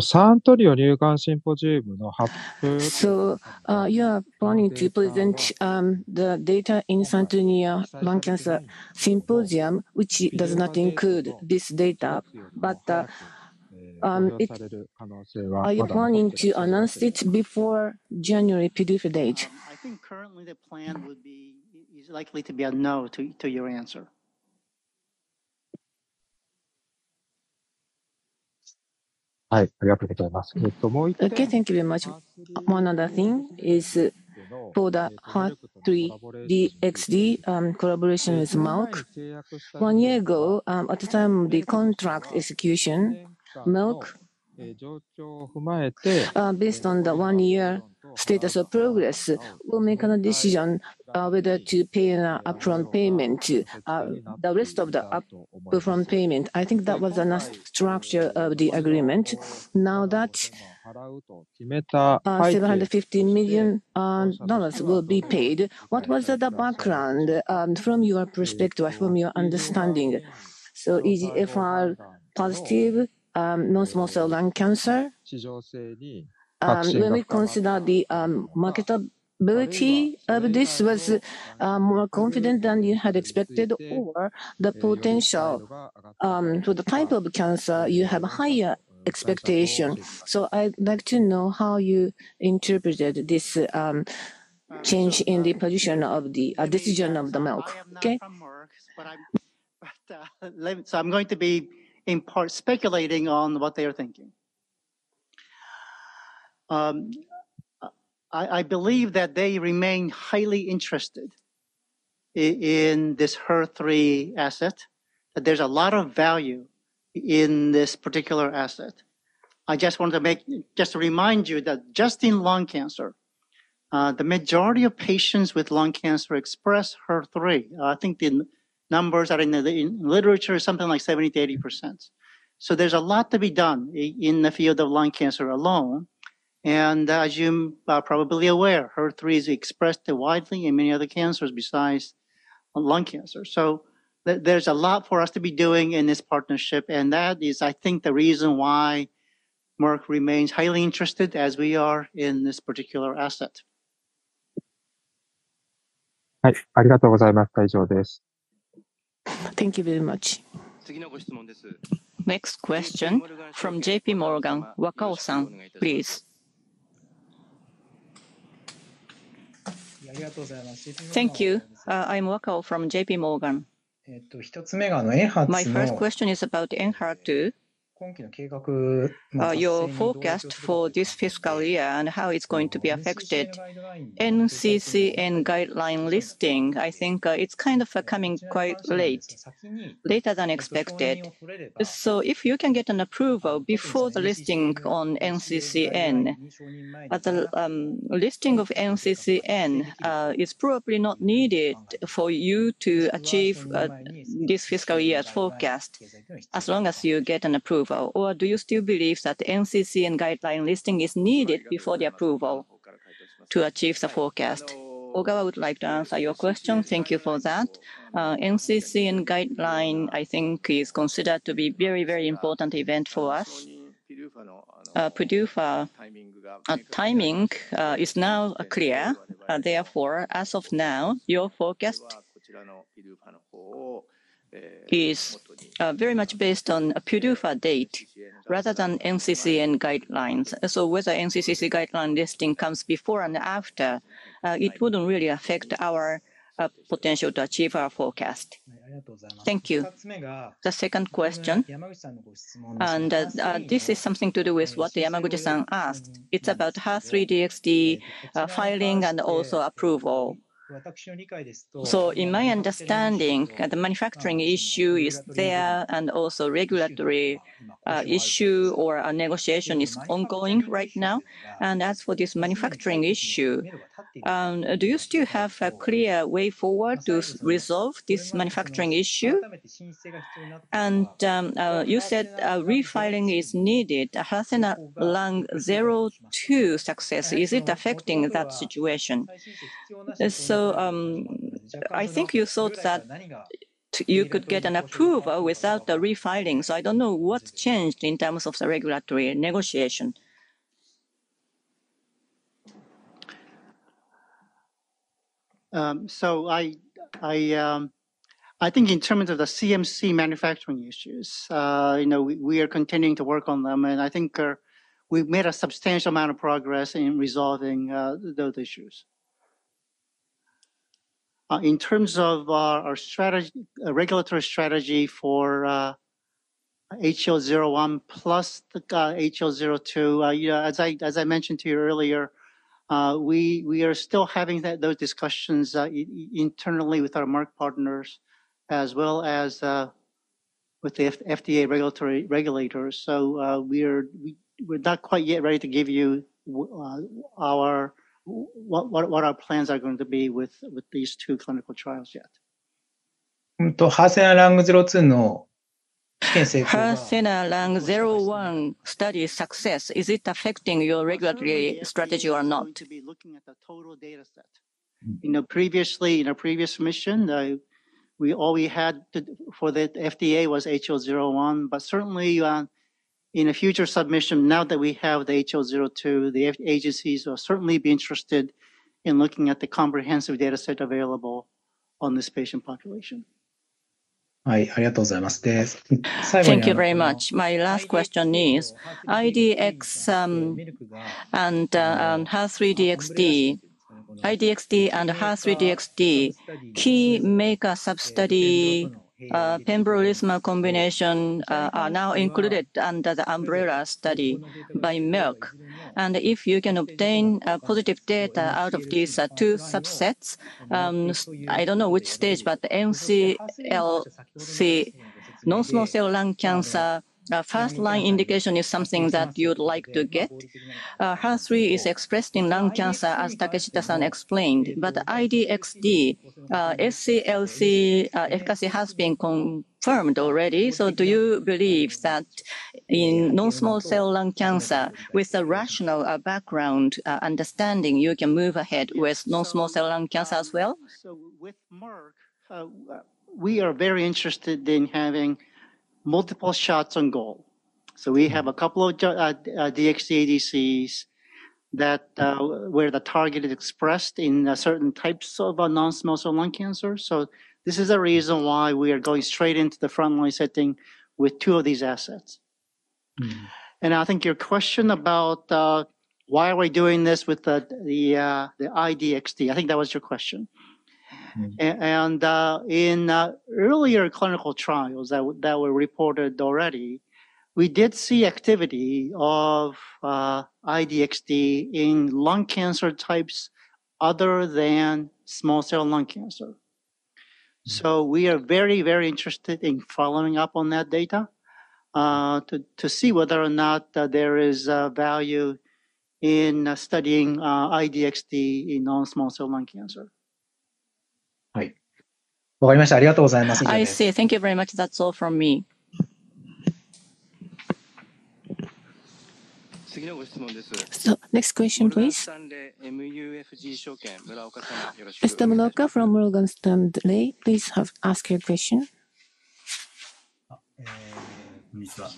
San Antonio Breast Cancer Symposium announcement. So you are planning to present the data in San Antonio Breast Cancer Symposium, which does not include this data. But it's planning to announce it before January PDUFA date. I think currently the plan would be likely to be a no to your answer. Yes, thank you very much. Okay, thank you very much. One other thing is for the HER3-DXd collaboration with Merck. One year ago, at the time of the contract execution, Merck. 上長を踏まえて. Based on the one-year status of progress, we'll make a decision whether to pay an upfront payment to the rest of the upfront payment. I think that was the structure of the agreement. Now that $750 million will be paid, what was the background from your perspective, from your understanding? So EGFR positive, non-small cell lung cancer. When we consider the marketability of this, was more confident than you had expected, or the potential for the type of cancer, you have a higher expectation? So I'd like to know how you interpreted this change in the position of the decision of Merck. Okay. So I'm going to be in part speculating on what they are thinking. I believe that they remain highly interested in this HER3 asset, that there's a lot of value in this particular asset. I just wanted to remind you that just in lung cancer, the majority of patients with lung cancer express HER3. I think the numbers are in the literature, something like 70%-80%. So there's a lot to be done in the field of lung cancer alone. And as you're probably aware, HER3 is expressed widely in many other cancers besides lung cancer. So there's a lot for us to be doing in this partnership. And that is, I think, the reason why Merck remains highly interested as we are in this particular asset. ありがとうございます。以上です。Thank you very much. 次のご質問です。Next question from J.P. Morgan, Wakao-san, please. ありがとうございます。Thank you. I'm Wakao from J.P. Morgan. 一つ目がEnhertu。My first question is about Enhertu. 今期の計画。Your forecast for this fiscal year and how it's going to be affected. NCCN guideline listing, I think it's kind of coming quite late, later than expected. So if you can get an approval before the listing on NCCN, but the listing of NCCN is probably not needed for you to achieve this fiscal year's forecast as long as you get an approval. Or do you still believe that the NCCN guideline listing is needed before the approval to achieve the forecast? Ogawa would like to answer your question. Thank you for that. NCCN guideline, I think, is considered to be a very, very important event for us. PDUFA timing is now clear. Therefore, as of now, your forecast is very much based on PDUFA date rather than NCCN guidelines. So whether NCCN guideline listing comes before and after, it wouldn't really affect our potential to achieve our forecast. Thank you. The second question, and this is something to do with what Yamaguchi-san asked. It's about HER3-DXd filing and also approval. So in my understanding, the manufacturing issue is there and also a regulatory issue or a negotiation is ongoing right now. And as for this manufacturing issue, do you still have a clear way forward to resolve this manufacturing issue? And you said refiling is needed. Hasn't a Lung02 success? Is it affecting that situation? So I think you thought that you could get an approval without the refiling. So I don't know what changed in terms of the regulatory negotiation. So I think in terms of the CMC manufacturing issues, we are continuing to work on them. And I think we've made a substantial amount of progress in resolving those issues. In terms of our regulatory strategy for HER3-Lung01 plus I-Lung02, as I mentioned to you earlier, we are still having those discussions internally with our Merck partners as well as with the FDA regulators. So we're not quite yet ready to give you what our plans are going to be with these two clinical trials yet. And for I-Lung02. Has the HER3-Lung01 study succeeded? Is it affecting your regulatory strategy or not? In a previous submission, we had for the FDA was HER3-Lung01. But certainly, in a future submission, now that we have the I-Lung02, the agencies will certainly be interested in looking at the comprehensive data set available on this patient population. ありがとうございます。Thank you very much. My last question is I-DXd and HER3-DXd, Keymaker sub-study pembrolizumab combination are now included under the umbrella study by Merck. If you can obtain positive data out of these two subsets, I don't know which stage, but NSCLC, non-small cell lung cancer, first line indication is something that you'd like to get. HER3 is expressed in lung cancer, as Takeshita-san explained. I-DXd, SCLC efficacy has been confirmed already. Do you believe that in non-small cell lung cancer, with a rational background understanding, you can move ahead with non-small cell lung cancer as well? With Merck, we are very interested in having multiple shots on goal. We have a couple of DXd ADCs that were the target expressed in certain types of non-small cell lung cancer. This is a reason why we are going straight into the frontline setting with two of these assets. I think your question about why are we doing this with the I-DXd, I think that was your question. In earlier clinical trials that were reported already, we did see activity of I-DXd in lung cancer types other than small cell lung cancer. So we are very, very interested in following up on that data to see whether or not there is value in studying I-DXd in non-small cell lung cancer. はい。わかりました。ありがとうございます。I see. Thank you very much. That's all from me. 次のご質問です。So next question, please. モルガンスタンレーMUFG証券村岡様、よろしくお願いします。Mr. Muraoka from Morgan Stanley MUFG Securities, please ask your question. こんにちは。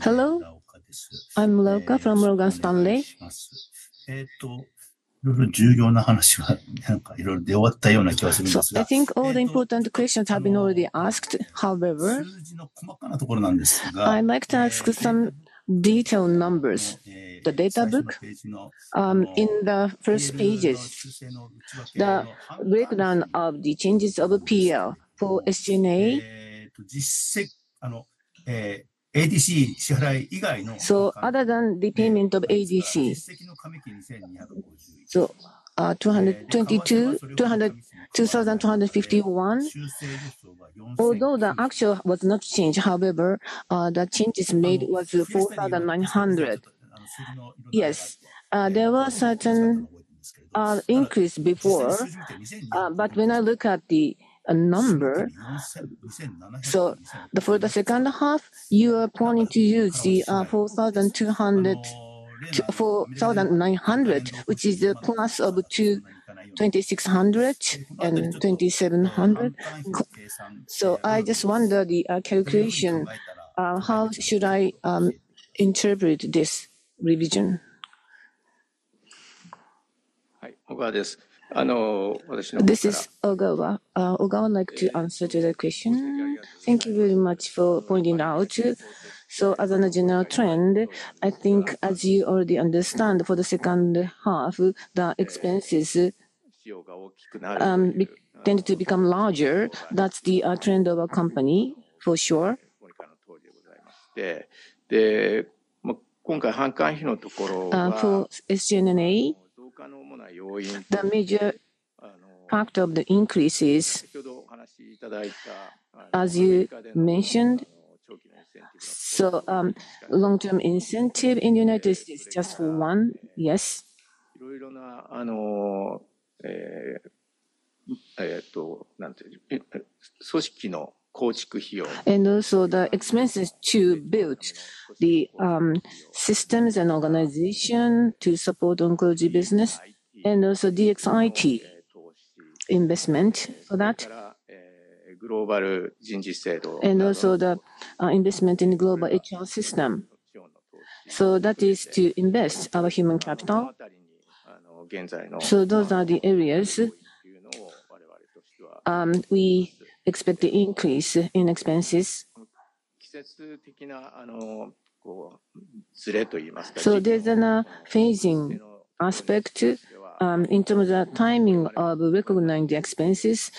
Hello. 村岡です。I'm Muraoka from Morgan Stanley MUFG Securities. いろいろ重要な話はいろいろ出終わったような気がするんですが。So I think all the important questions have been already asked. However. 数字の細かなところなんですが。I'd like to ask some detailed numbers. The data book in the first pages. The breakdown of the changes of PL for SG&A. 実績、ADC支払い以外の。So other than the payment of ADC. 実績の加味金2251。So 222, 2,251. Although the actual was not changed, however, the changes made was 4,900. Yes, there was a certain increase before, but when I look at the number, so for the second half, you are planning to use the 4,900, which is a plus of 2,600 and 2,700. So I just wonder the calculation, how should I interpret this revision? This is Ogawa. Ogawa would like to answer to the question. Thank you very much for pointing out. So as a general trend, I think as you already understand, for the second half, the expenses tended to become larger. That's the trend of our company, for sure. For SG&A, the major factor of the increase is as you mentioned. So long-term incentive in the United States, just for one, yes. And also the expenses to build the systems and organization to support oncology business, and also DXIT investment for that. グローバル人事制度, and also the investment in the global HR system, so that is to invest our human capital. 現在の, so those are the areas. というのを我々としては, we expect the increase in expenses. 季節的なずれと言いますか, so there's an up phasing aspect in terms of the timing of recognizing the expenses.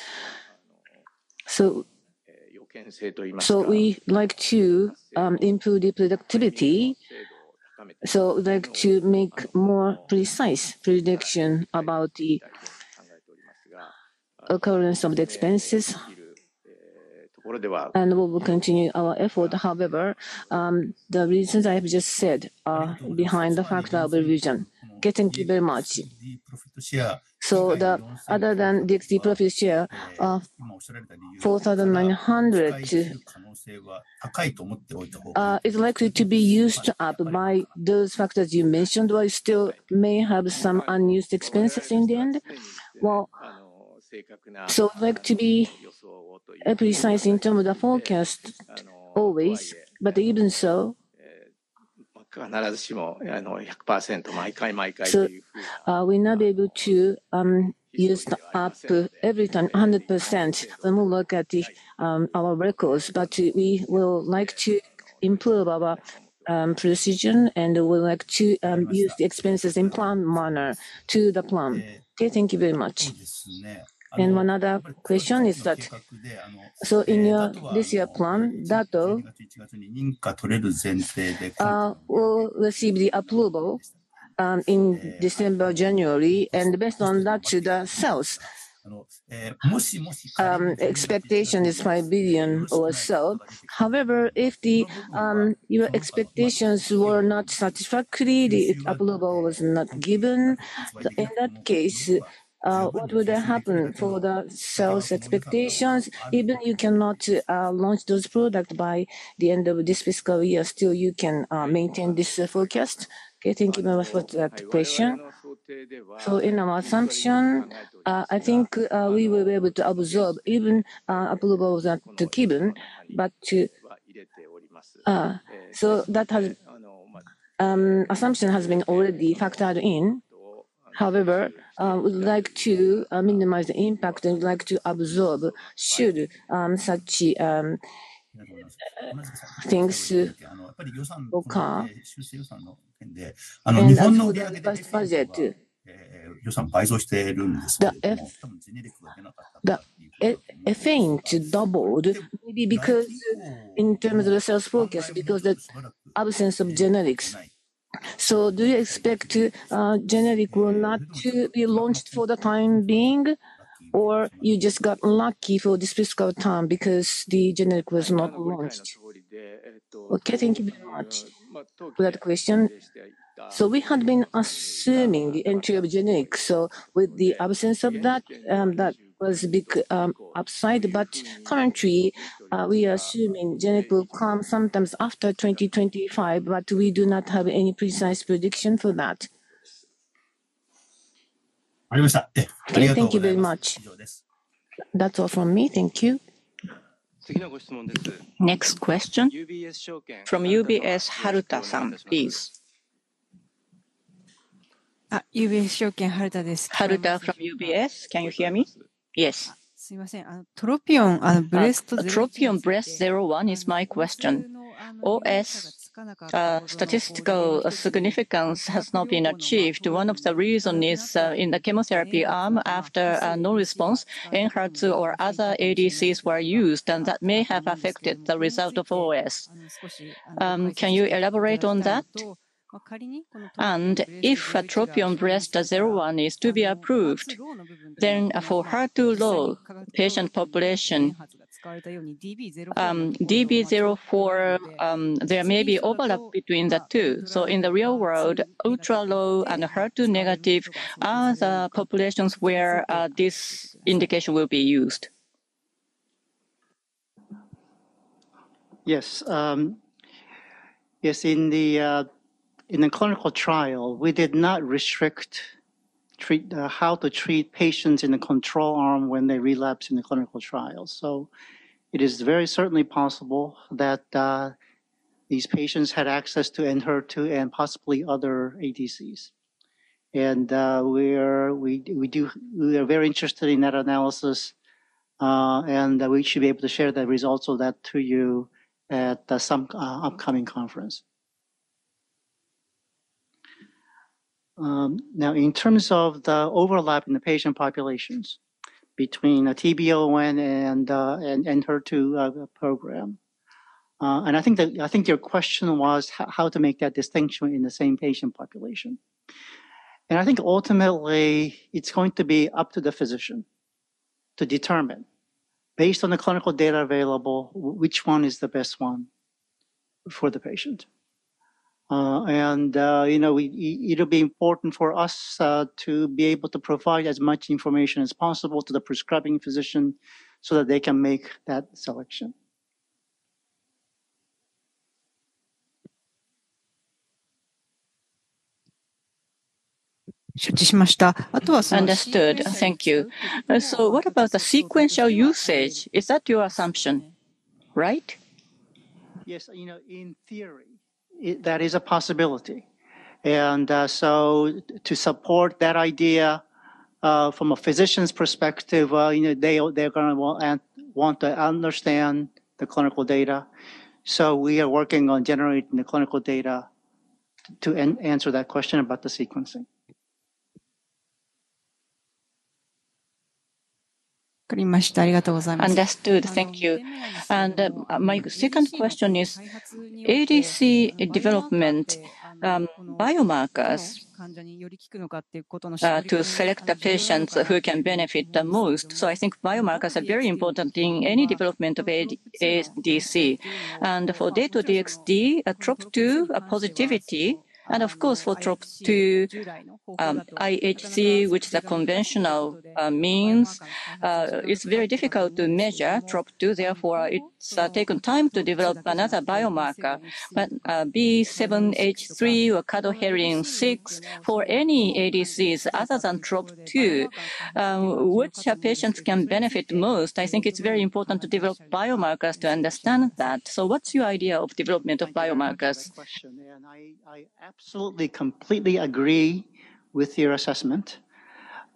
予見性と言いますか, so we like to improve the productivity. 精度を高めて, so we like to make more precise predictions about the occurrence of the expenses. 考えておりますが, できるところでは, and we will continue our effort. However, the reasons I have just said are behind the fact of the revision. Thank you very much, so other than the profit share of 4,900, 上げる可能性は高いと思っておいた方が, it's likely to be used up by those factors you mentioned, while still may have some unused expenses in the end. Well, 正確な, so we like to be precise in terms of the forecast always, but even so. 必ずしも100%毎回毎回という. So we're not able to use it up every time 100% when we look at our records, but we would like to improve our precision, and we like to use the expenses in a planned manner to the plan. Okay, thank you very much. And one other question is that, so in this year's plan, will receive the approval in December, January, and based on that, the sales expectation is 5 billion or so. However, if your expectations were not satisfactory, the approval was not given, in that case, what would happen for the sales expectations? Even if you cannot launch those products by the end of this fiscal year, still you can maintain this forecast. Okay, thank you very much for that question. So in our assumption, I think we will be able to absorb even approvals at the given, but to. 入れております。So that assumption has been already factored in. However, we would like to minimize the impact and would like to absorb should such things occur. 予算の件で、日本の売上で。First budget. 予算倍増しているんですが、多分ジェネリックが出なかったという。The effect to double would be because in terms of the sales forecast, because of the absence of generics. So do you expect generic will not be launched for the time being, or you just got lucky for this fiscal time because the generic was not launched? Okay, thank you very much for that question. So we had been assuming the entry of generics. So with the absence of that, that was a big upside. But currently, we are assuming generic will come sometime after 2025, but we do not have any precise prediction for that. ありがとうございます。Thank you very much. That's all from me. Thank you. 次のご質問です。Next question. From UBS Haruta-san, please. UBS証券ハルタです。Haruta from UBS. Can you hear me? Yes. Sumimasen, TROPION-Breast. TROPION-Breast01 is my question. OS statistical significance has not been achieved. One of the reasons is in the chemotherapy arm after no response in HER2 or other ADCs were used, and that may have affected the result of OS. Can you elaborate on that? To iu. And if TROPION-Breast01 is to be approved, then for HER2-low patient population, DB04, there may be overlap between the two. So in the real world, ultra-low and HER2-negative are the populations where this indication will be used. Yes. Yes. In the clinical trial, we did not restrict how to treat patients in the control arm when they relapsed in the clinical trial. So it is very certainly possible that these patients had access to Enhertu and possibly other ADCs. We are very interested in that analysis, and we should be able to share the results of that to you at some upcoming conference. Now, in terms of the overlap in the patient populations between TROPION and Enhertu program, and I think your question was how to make that distinction in the same patient population. I think ultimately, it's going to be up to the physician to determine, based on the clinical data available, which one is the best one for the patient. It will be important for us to be able to provide as much information as possible to the prescribing physician so that they can make that selection. 承知しました。あとはその。Understood. Thank you. What about the sequential usage? Is that your assumption, right? Yes. In theory, that is a possibility. To support that idea from a physician's perspective, they are going to want to understand the clinical data. We are working on generating the clinical data to answer that question about the sequencing. わかりました。ありがとうございます。Understood. Thank you. My second question is ADC development biomarkers. 患者により効くのかっていうことの。To select the patients who can benefit the most. Biomarkers are very important in any development of ADC. For Dato-DXd, TROP2 positivity, and of course for TROP2 IHC, which is a conventional means, it is very difficult to measure TROP2. Therefore, it has taken time to develop another biomarker. For B7-H3 or Cadherin-6 for any ADCs other than TROP2, which patients can benefit most, it is very important to develop biomarkers to understand that. What is your idea of development of biomarkers? Question. I absolutely completely agree with your assessment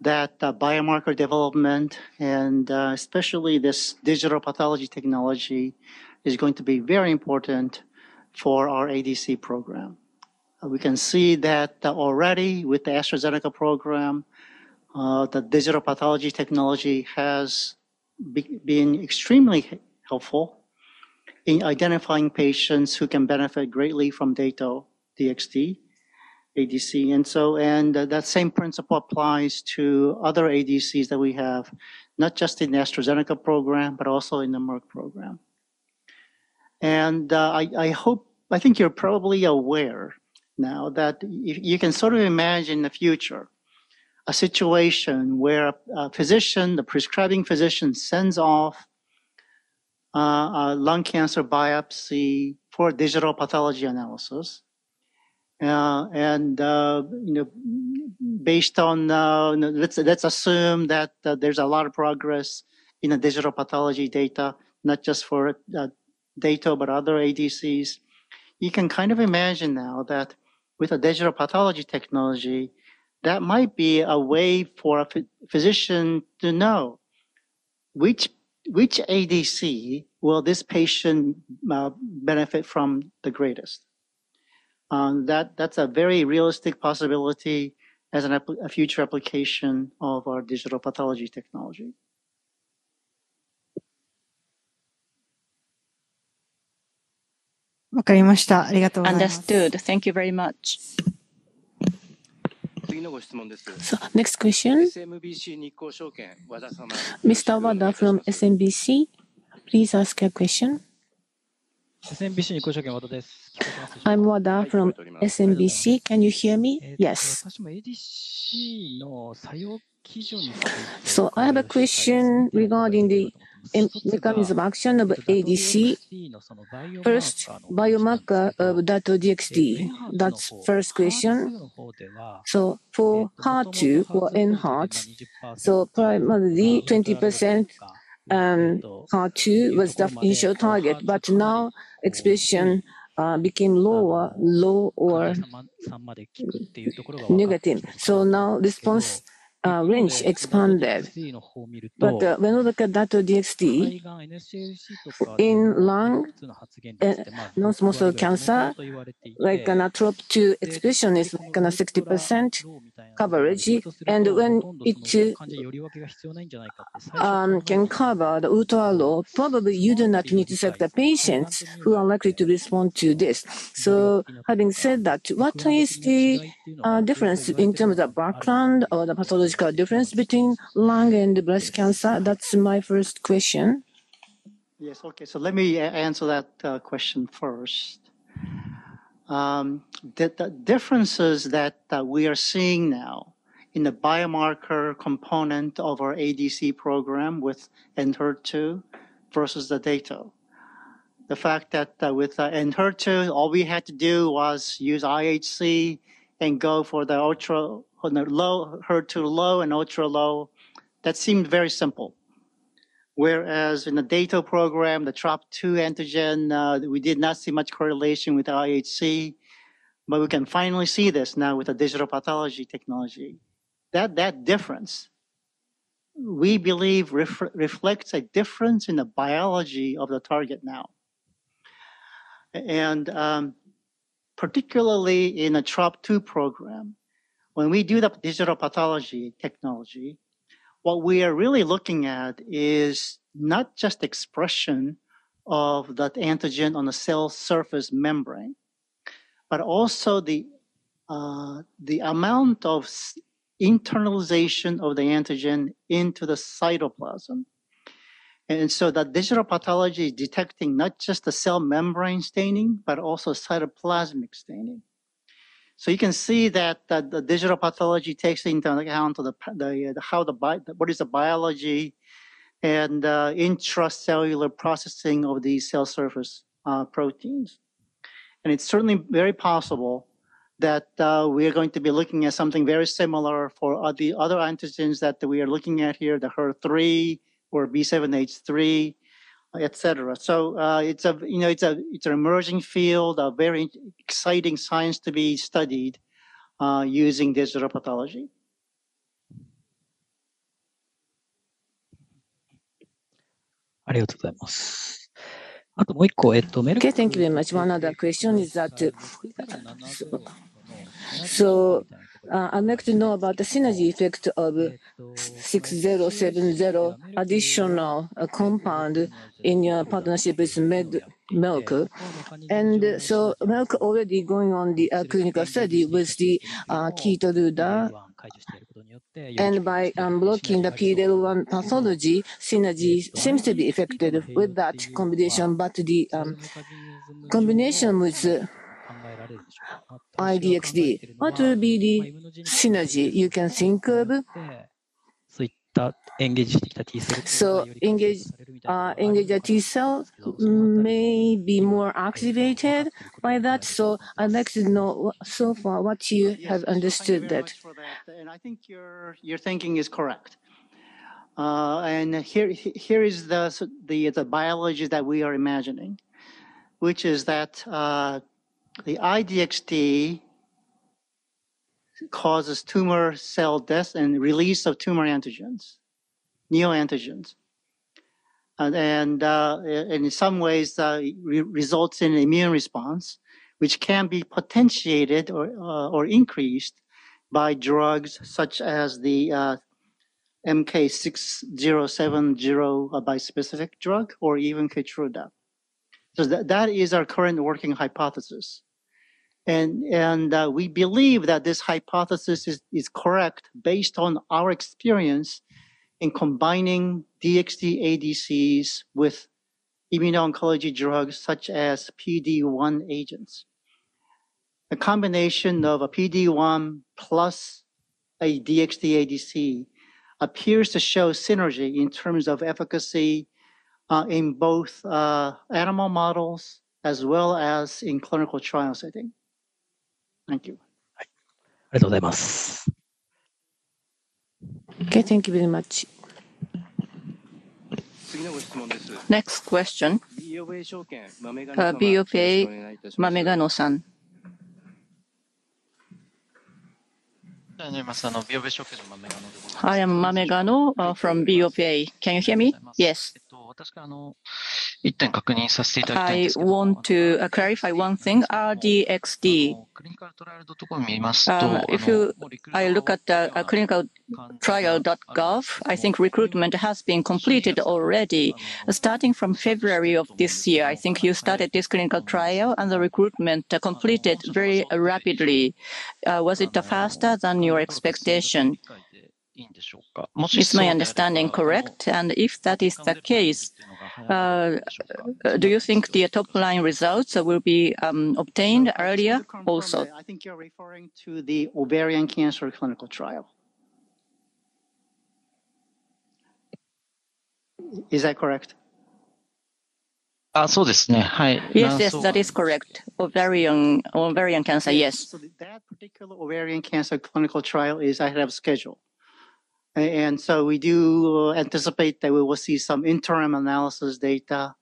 that biomarker development, and especially this digital pathology technology, is going to be very important for our ADC program. We can see that already with the AstraZeneca program, the digital pathology technology has been extremely helpful in identifying patients who can benefit greatly from Dato-DXd ADC. And so that same principle applies to other ADCs that we have, not just in the AstraZeneca program, but also in the Merck program. And I hope I think you're probably aware now that you can sort of imagine the future, a situation where a physician, the prescribing physician, sends off a lung cancer biopsy for digital pathology analysis. And based on, let's assume that there's a lot of progress in the digital pathology data, not just for Dato-DXd, but other ADCs. You can kind of imagine now that with a digital pathology technology, that might be a way for a physician to know which ADC will this patient benefit from the greatest. That's a very realistic possibility as a future application of our digital pathology technology. わかりました。ありがとうございます。Understood. Thank you very much. 次のご質問です。Next question. SMBC Nikko Securities Wada様。Mr. Wada from SMBC Nikko Securities, please ask your question. SMBC Nikko Securities Wadaです。I'm Wada from SMBC Nikko Securities. Can you hear me? Yes. 私もADCの作用基準について。So I have a question regarding the mechanism of action of ADC. First, biomarker of Dato-DXd. That's the first question. So for HER2 or Enhertu, so primarily 20% HER2 was the initial target, but now expression became lower, low or negative. So now response range expanded. But when we look at Dato-DXd in lung and non-small cell lung cancer, like TROP2 expression is like 60% coverage. When it can cover the ultra low, probably you do not need to select the patients who are likely to respond to this. So having said that, what is the difference in terms of background or the pathological difference between lung and breast cancer? That's my first question. Yes. Okay. So let me answer that question first. The differences that we are seeing now in the biomarker component of our ADC program with Enhertu versus the Dato. The fact that with Enhertu, all we had to do was use IHC and go for the low HER2 low and ultra low, that seemed very simple. Whereas in the Dato program, the TROP2 antigen, we did not see much correlation with IHC, but we can finally see this now with the digital pathology technology. That difference, we believe, reflects a difference in the biology of the target now. Particularly in a TROP2 program, when we do the digital pathology technology, what we are really looking at is not just expression of that antigen on the cell surface membrane, but also the amount of internalization of the antigen into the cytoplasm. The digital pathology is detecting not just the cell membrane staining, but also cytoplasmic staining. You can see that the digital pathology takes into account how the biology and intracellular processing of these cell surface proteins. It is certainly very possible that we are going to be looking at something very similar for the other antigens that we are looking at here, the HER3 or B7-H3, etc. It is an emerging field, a very exciting science to be studied using digital pathology. ありがとうございます。あともう一個。Okay, thank you very much. One other question is that I'd like to know about the synergy effect of MK-6070 additional compound in your partnership with Merck. And so Merck already going on the clinical study with the Keytruda, and by blocking the PD-L1 pathway, synergy seems to be affected with that combination, but the combination with I-DXd, what would be the synergy you can think of? So engaged T cells may be more activated by that. So I'd like to know so far what you have understood that. And I think your thinking is correct. And here is the biology that we are imagining, which is that the I-DXd causes tumor cell death and release of tumor antigens, neoantigens. And in some ways, it results in an immune response, which can be potentiated or increased by drugs such as the MK-6070 bispecific drug or even Keytruda. So that is our current working hypothesis. We believe that this hypothesis is correct based on our experience in combining DXd ADCs with immuno-oncology drugs such as PD-1 agents. A combination of a PD-1 plus a DXd ADC appears to show synergy in terms of efficacy in both animal models as well as in clinical trial setting. Thank you. ありがとうございます。Okay, thank you very much. 次のご質問です。Next question. BofA Securities Mamegano-san. おはようございます。BofA Securitiesのマメガノでございます。I am Mamegano from BofA. Can you hear me? Yes. 私から1点確認させていただきたいんですけど。I want to clarify one thing. R-DXd. クリニカルトライアルドットコム見ますと。If you look at clinicaltrials.gov, I think recruitment has been completed already. Starting from February of this year, I think you started this clinical trial and the recruitment completed very rapidly. Was it faster than your expectation? It's my understanding, correct? And if that is the case, do you think the top line results will be obtained earlier also? I think you're referring to the ovarian cancer clinical trial. Is that correct? そうですね。Yes, yes, that is correct. Ovarian cancer, yes. So that particular ovarian cancer clinical trial is ahead of schedule. And so we do anticipate that we will see some interim analysis data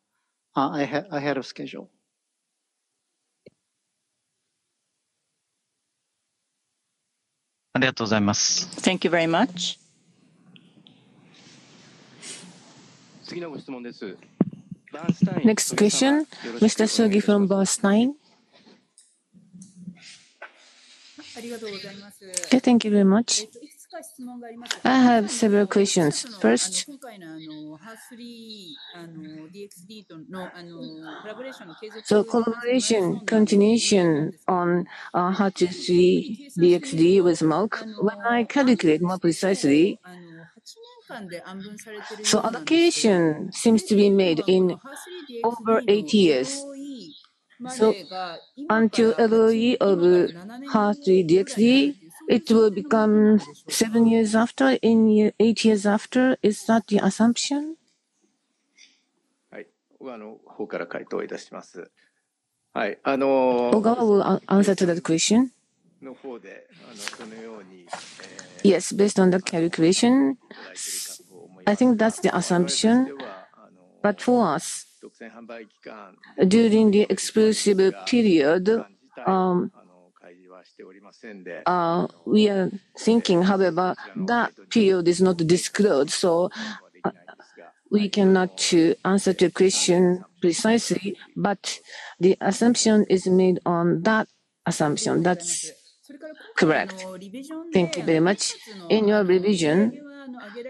ahead of schedule. ありがとうございます。Thank you very much. 次のご質問です。Next question. Mr. Sugi from Bernstein. ありがとうございます。Okay, thank you very much. いくつか質問があります。I have several questions. First, 今回のHER3-DXdとのコラボレーションの継続について。So collaboration continuation on HER3-DXd with Merck, when I calculate more precisely, そう、Allocation seems to be made in over eight years. So until LOE of HER3-DXd, it will become seven years after, eight years after, is that the assumption? はい、小川の方から回答いたします。はい、あの。Ogawa will answer to that question. の方でそのように。Yes, based on the calculation. いただいているかと思います。I think that's the assumption. では。But for us, during the exclusive period, 会議はしておりませんで。We are thinking, however, that period is not disclosed, so we cannot answer to your question precisely, but the assumption is made on that assumption. That's correct. Thank you very much. In your revision,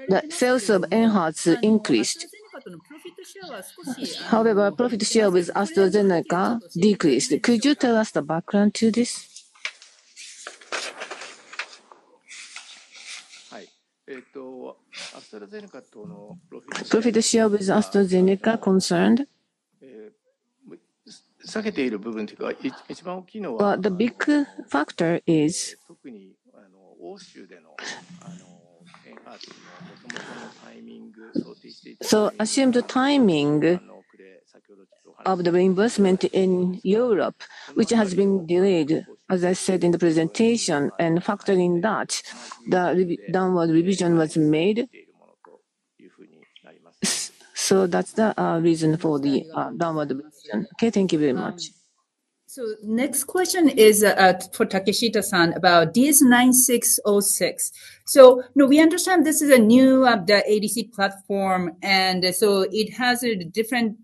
the sales of Enhertu increased. However, profit share with AstraZeneca decreased. Could you tell us the background to this? はい、アストラゼネカとの。Profit share with AstraZeneca concerned? 下げている部分というか、一番大きいのは。The big factor is. 特に欧州でのEnhertuの元々のタイミング、想定していた。So assumed timing. の遅れ、先ほどちょっと。Of the reimbursement in Europe, which has been delayed, as I said in the presentation, and factor in that the downward revision was made. というふうになります。So that's the reason for the downward revision. Okay, thank you very much. So next question is for Takeshita-san about DS-9606. So we understand this is a new ADC platform, and so it has a different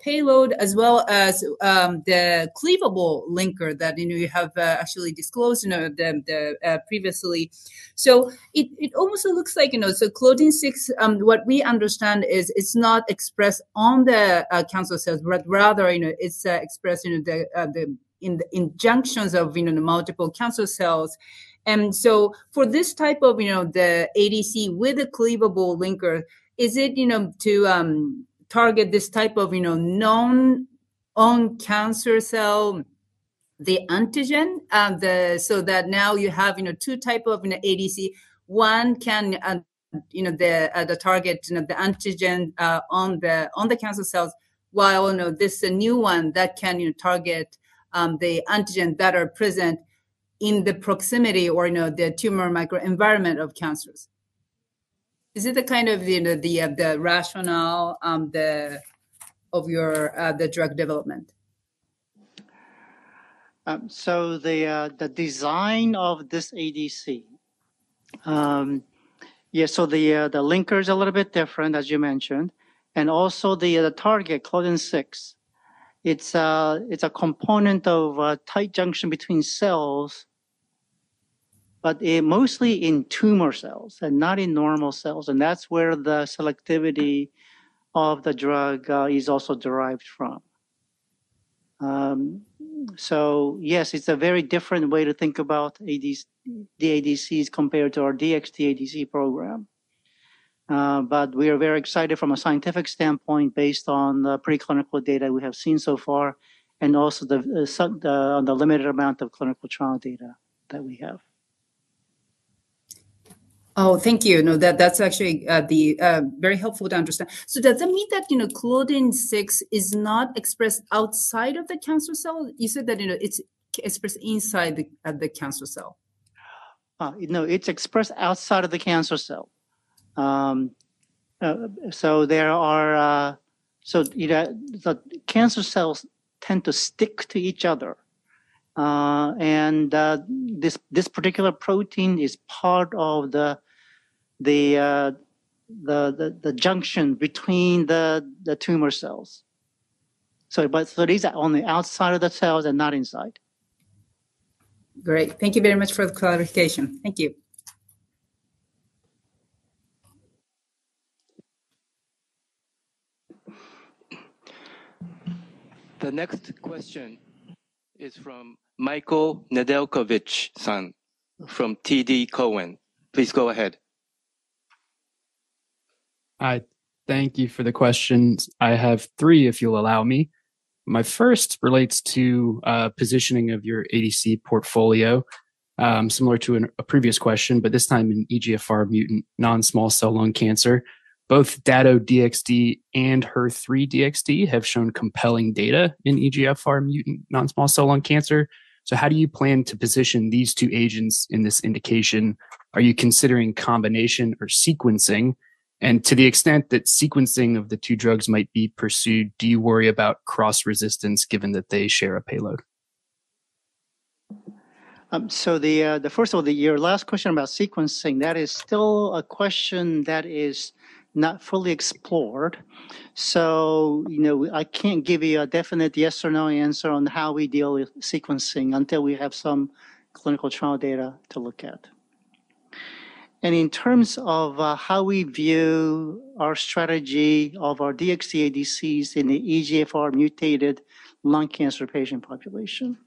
payload as well as the cleavable linker that you have actually disclosed previously. So it almost looks like, so Claudin-6, what we understand is it's not expressed on the cancer cells, but rather it's expressed in the junctions of multiple cancer cells. And so for this type of the ADC with a cleavable linker, is it to target this type of non-on cancer cell, the antigen? So that now you have two types of ADC. One can target the antigen on the cancer cells, while this new one that can target the antigen that are present in the proximity or the tumor microenvironment of cancers. Is it the kind of the rationale of your drug development? So the design of this ADC, yeah, so the linker is a little bit different, as you mentioned. And also the target, Claudin-6, it's a component of a tight junction between cells, but mostly in tumor cells and not in normal cells. And that's where the selectivity of the drug is also derived from. So yes, it's a very different way to think about the ADCs compared to our DXd ADC program. But we are very excited from a scientific standpoint based on the preclinical data we have seen so far and also the limited amount of clinical trial data that we have. Oh, thank you. No, that's actually very helpful to understand. So does that mean that Claudin-6 is not expressed outside of the cancer cell? You said that it's expressed inside the cancer cell. No, it's expressed outside of the cancer cell. So there are, so cancer cells tend to stick to each other. And this particular protein is part of the junction between the tumor cells. So these are on the outside of the cells and not inside. Great. Thank you very much for the clarification. Thank you. The next question is from Michael Nedelcovic from TD Cowen. Please go ahead. Hi, thank you for the questions. I have three, if you'll allow me. My first relates to positioning of your ADC portfolio, similar to a previous question, but this time in EGFR mutant non-small cell lung cancer. Both Dato-DXd and HER3-DXd have shown compelling data in EGFR mutant non-small cell lung cancer. So how do you plan to position these two agents in this indication? Are you considering combination or sequencing? And to the extent that sequencing of the two drugs might be pursued, do you worry about cross-resistance given that they share a payload? So first of all, your last question about sequencing, that is still a question that is not fully explored. So I can't give you a definite yes or no answer on how we deal with sequencing until we have some clinical trial data to look at. And in terms of how we view our strategy of our DXd ADCs in the EGFR-mutated lung cancer patient population,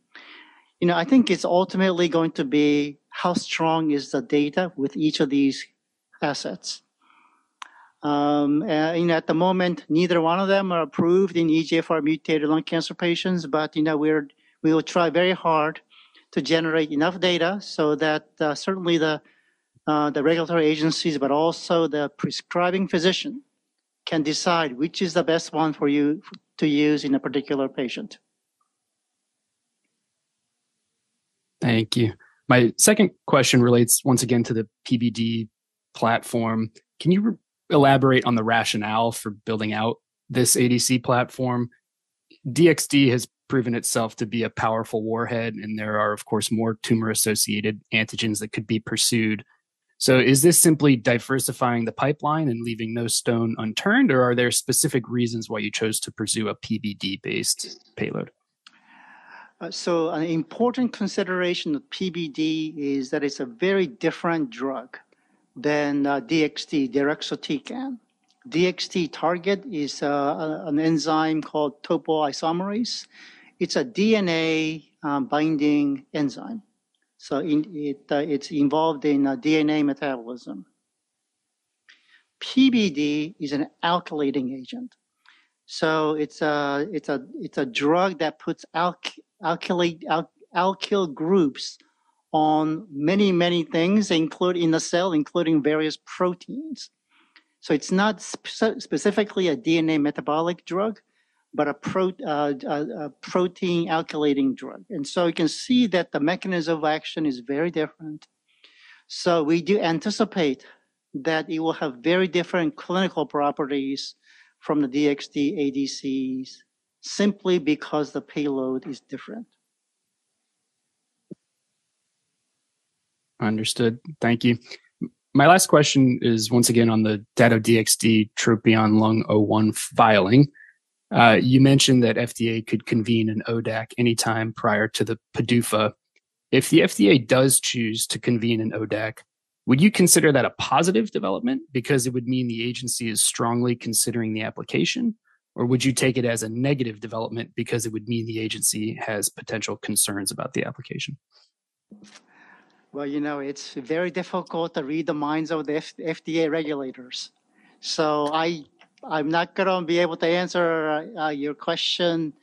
I think it's ultimately going to be how strong is the data with each of these assets. At the moment, neither one of them are approved in EGFR-mutated lung cancer patients, but we will try very hard to generate enough data so that certainly the regulatory agencies, but also the prescribing physician can decide which is the best one for you to use in a particular patient. Thank you. My second question relates once again to the PBD platform. Can you elaborate on the rationale for building out this ADC platform? DXd has proven itself to be a powerful warhead, and there are, of course, more tumor-associated antigens that could be pursued. So is this simply diversifying the pipeline and leaving no stone unturned, or are there specific reasons why you chose to pursue a PBD-based payload? So an important consideration of PBD is that it's a very different drug than DXd deruxtecan. DXd target is an enzyme called topoisomerase. It's a DNA-binding enzyme. So it's involved in DNA metabolism. PBD is an alkylating agent. So it's a drug that puts alkyl groups on many, many things in the cell, including various proteins. So it's not specifically a DNA metabolic drug, but a protein alkylating drug. And so you can see that the mechanism of action is very different. So we do anticipate that it will have very different clinical properties from the DXd ADCs simply because the payload is different. Understood. Thank you. My last question is once again on the Dato-DXd TROPION-Lung01 filing. You mentioned that FDA could convene an ODAC anytime prior to the PDUFA. If the FDA does choose to convene an ODAC, would you consider that a positive development because it would mean the agency is strongly considering the application, or would you take it as a negative development because it would mean the agency has potential concerns about the application? Well, you know, it's very difficult to read the minds of the FDA regulators. So I'm not going to be able to answer your question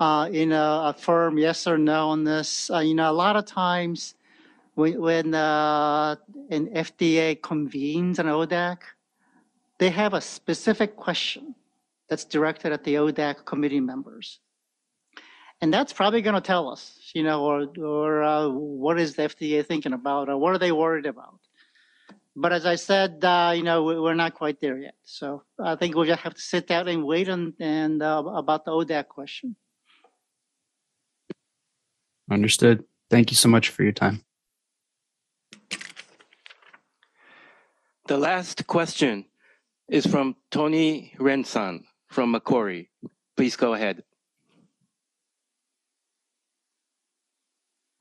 in a firm yes or no on this. A lot of times when an FDA convenes an ODAC, they have a specific question that's directed at the ODAC committee members. That's probably going to tell us, you know, or what is the FDA thinking about, or what are they worried about. But as I said, we're not quite there yet. I think we just have to sit down and wait about the ODAC question. Understood. Thank you so much for your time. The last question is from Tony Ren from Macquarie. Please go ahead.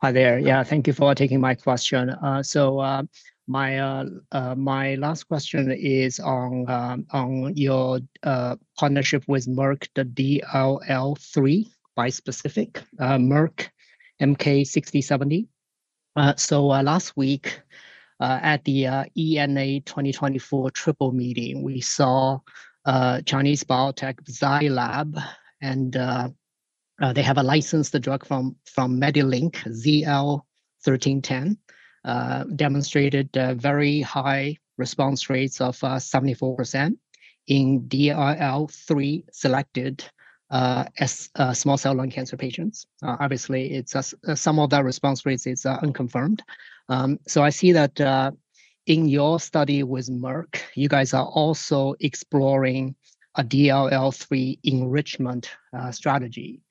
Hi there. Yeah, thank you for taking my question. My last question is on your partnership with Merck, the DLL3 bispecific, Merck MK-6070. Last week at the ENA 2024 triple meeting, we saw Chinese biotech Zai Lab, and they have a licensed drug from MediLink, ZL-1310, demonstrated very high response rates of 74% in DLL3 selected small cell lung cancer patients. Obviously, some of that response rate is unconfirmed. So I see that in your study with Merck, you guys are also exploring a DLL3 enrichment strategy.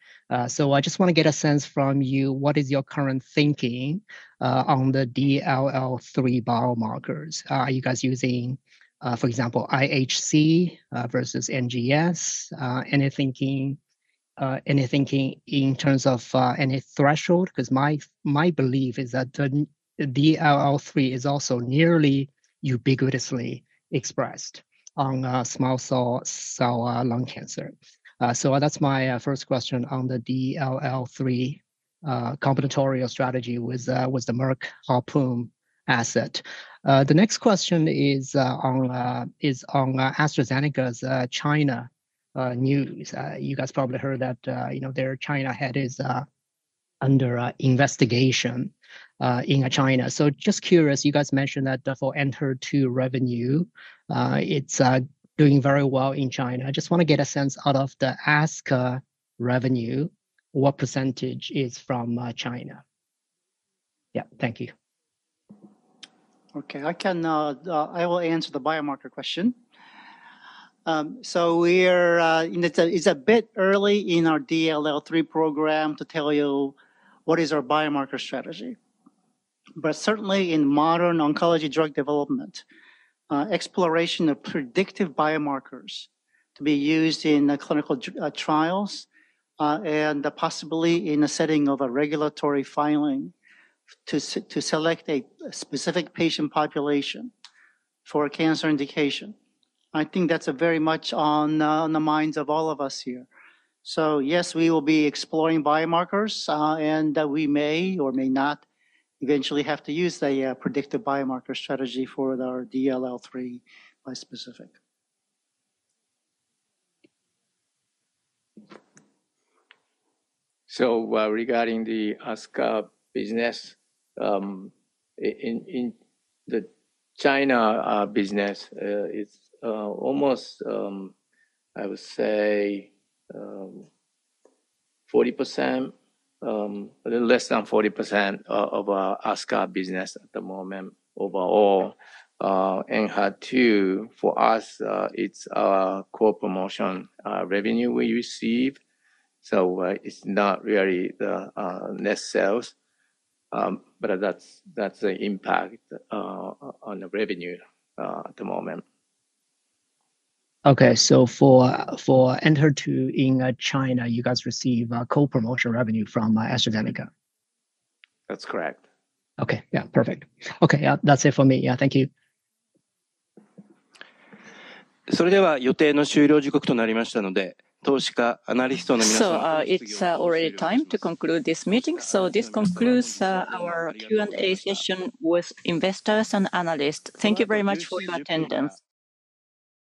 So I just want to get a sense from you, what is your current thinking on the DLL3 biomarkers? Are you guys using, for example, IHC versus NGS? Any thinking in terms of any threshold? Because my belief is that the DLL3 is also nearly ubiquitously expressed on small cell lung cancer. So that's my first question on the DLL3 combinatorial strategy with the Merck Harpoon asset. The next question is on AstraZeneca's China news. You guys probably heard that their China head is under investigation in China. So just curious, you guys mentioned that for Enhertu revenue, it's doing very well in China. I just want to get a sense out of the ASCA revenue, what percentage is from China? Yeah, thank you. Okay, I will answer the biomarker question. So it's a bit early in our DLL3 program to tell you what is our biomarker strategy. But certainly in modern oncology drug development, exploration of predictive biomarkers to be used in clinical trials and possibly in the setting of a regulatory filing to select a specific patient population for a cancer indication. I think that's very much on the minds of all of us here. So yes, we will be exploring biomarkers, and we may or may not eventually have to use the predictive biomarker strategy for our DLL3 bispecific. So regarding the ASK business, in the China business, it's almost, I would say, 40%, a little less than 40% of our ASK business at the moment overall. And HER2, for us, it's our core promotion revenue we receive. So it's not really the net sales. But that's the impact on the revenue at the moment. Okay, so for Enhertu in China, you guys receive co-promotion revenue from AstraZeneca. That's correct. Okay, yeah, perfect. Okay, that's it for me. Yeah, thank you. それでは予定の終了時刻となりましたので、投資家アナリストの皆さん、次は。So it's already time to conclude this meeting. So this concludes our Q&A session with investors and analysts. Thank you very much for your attendance.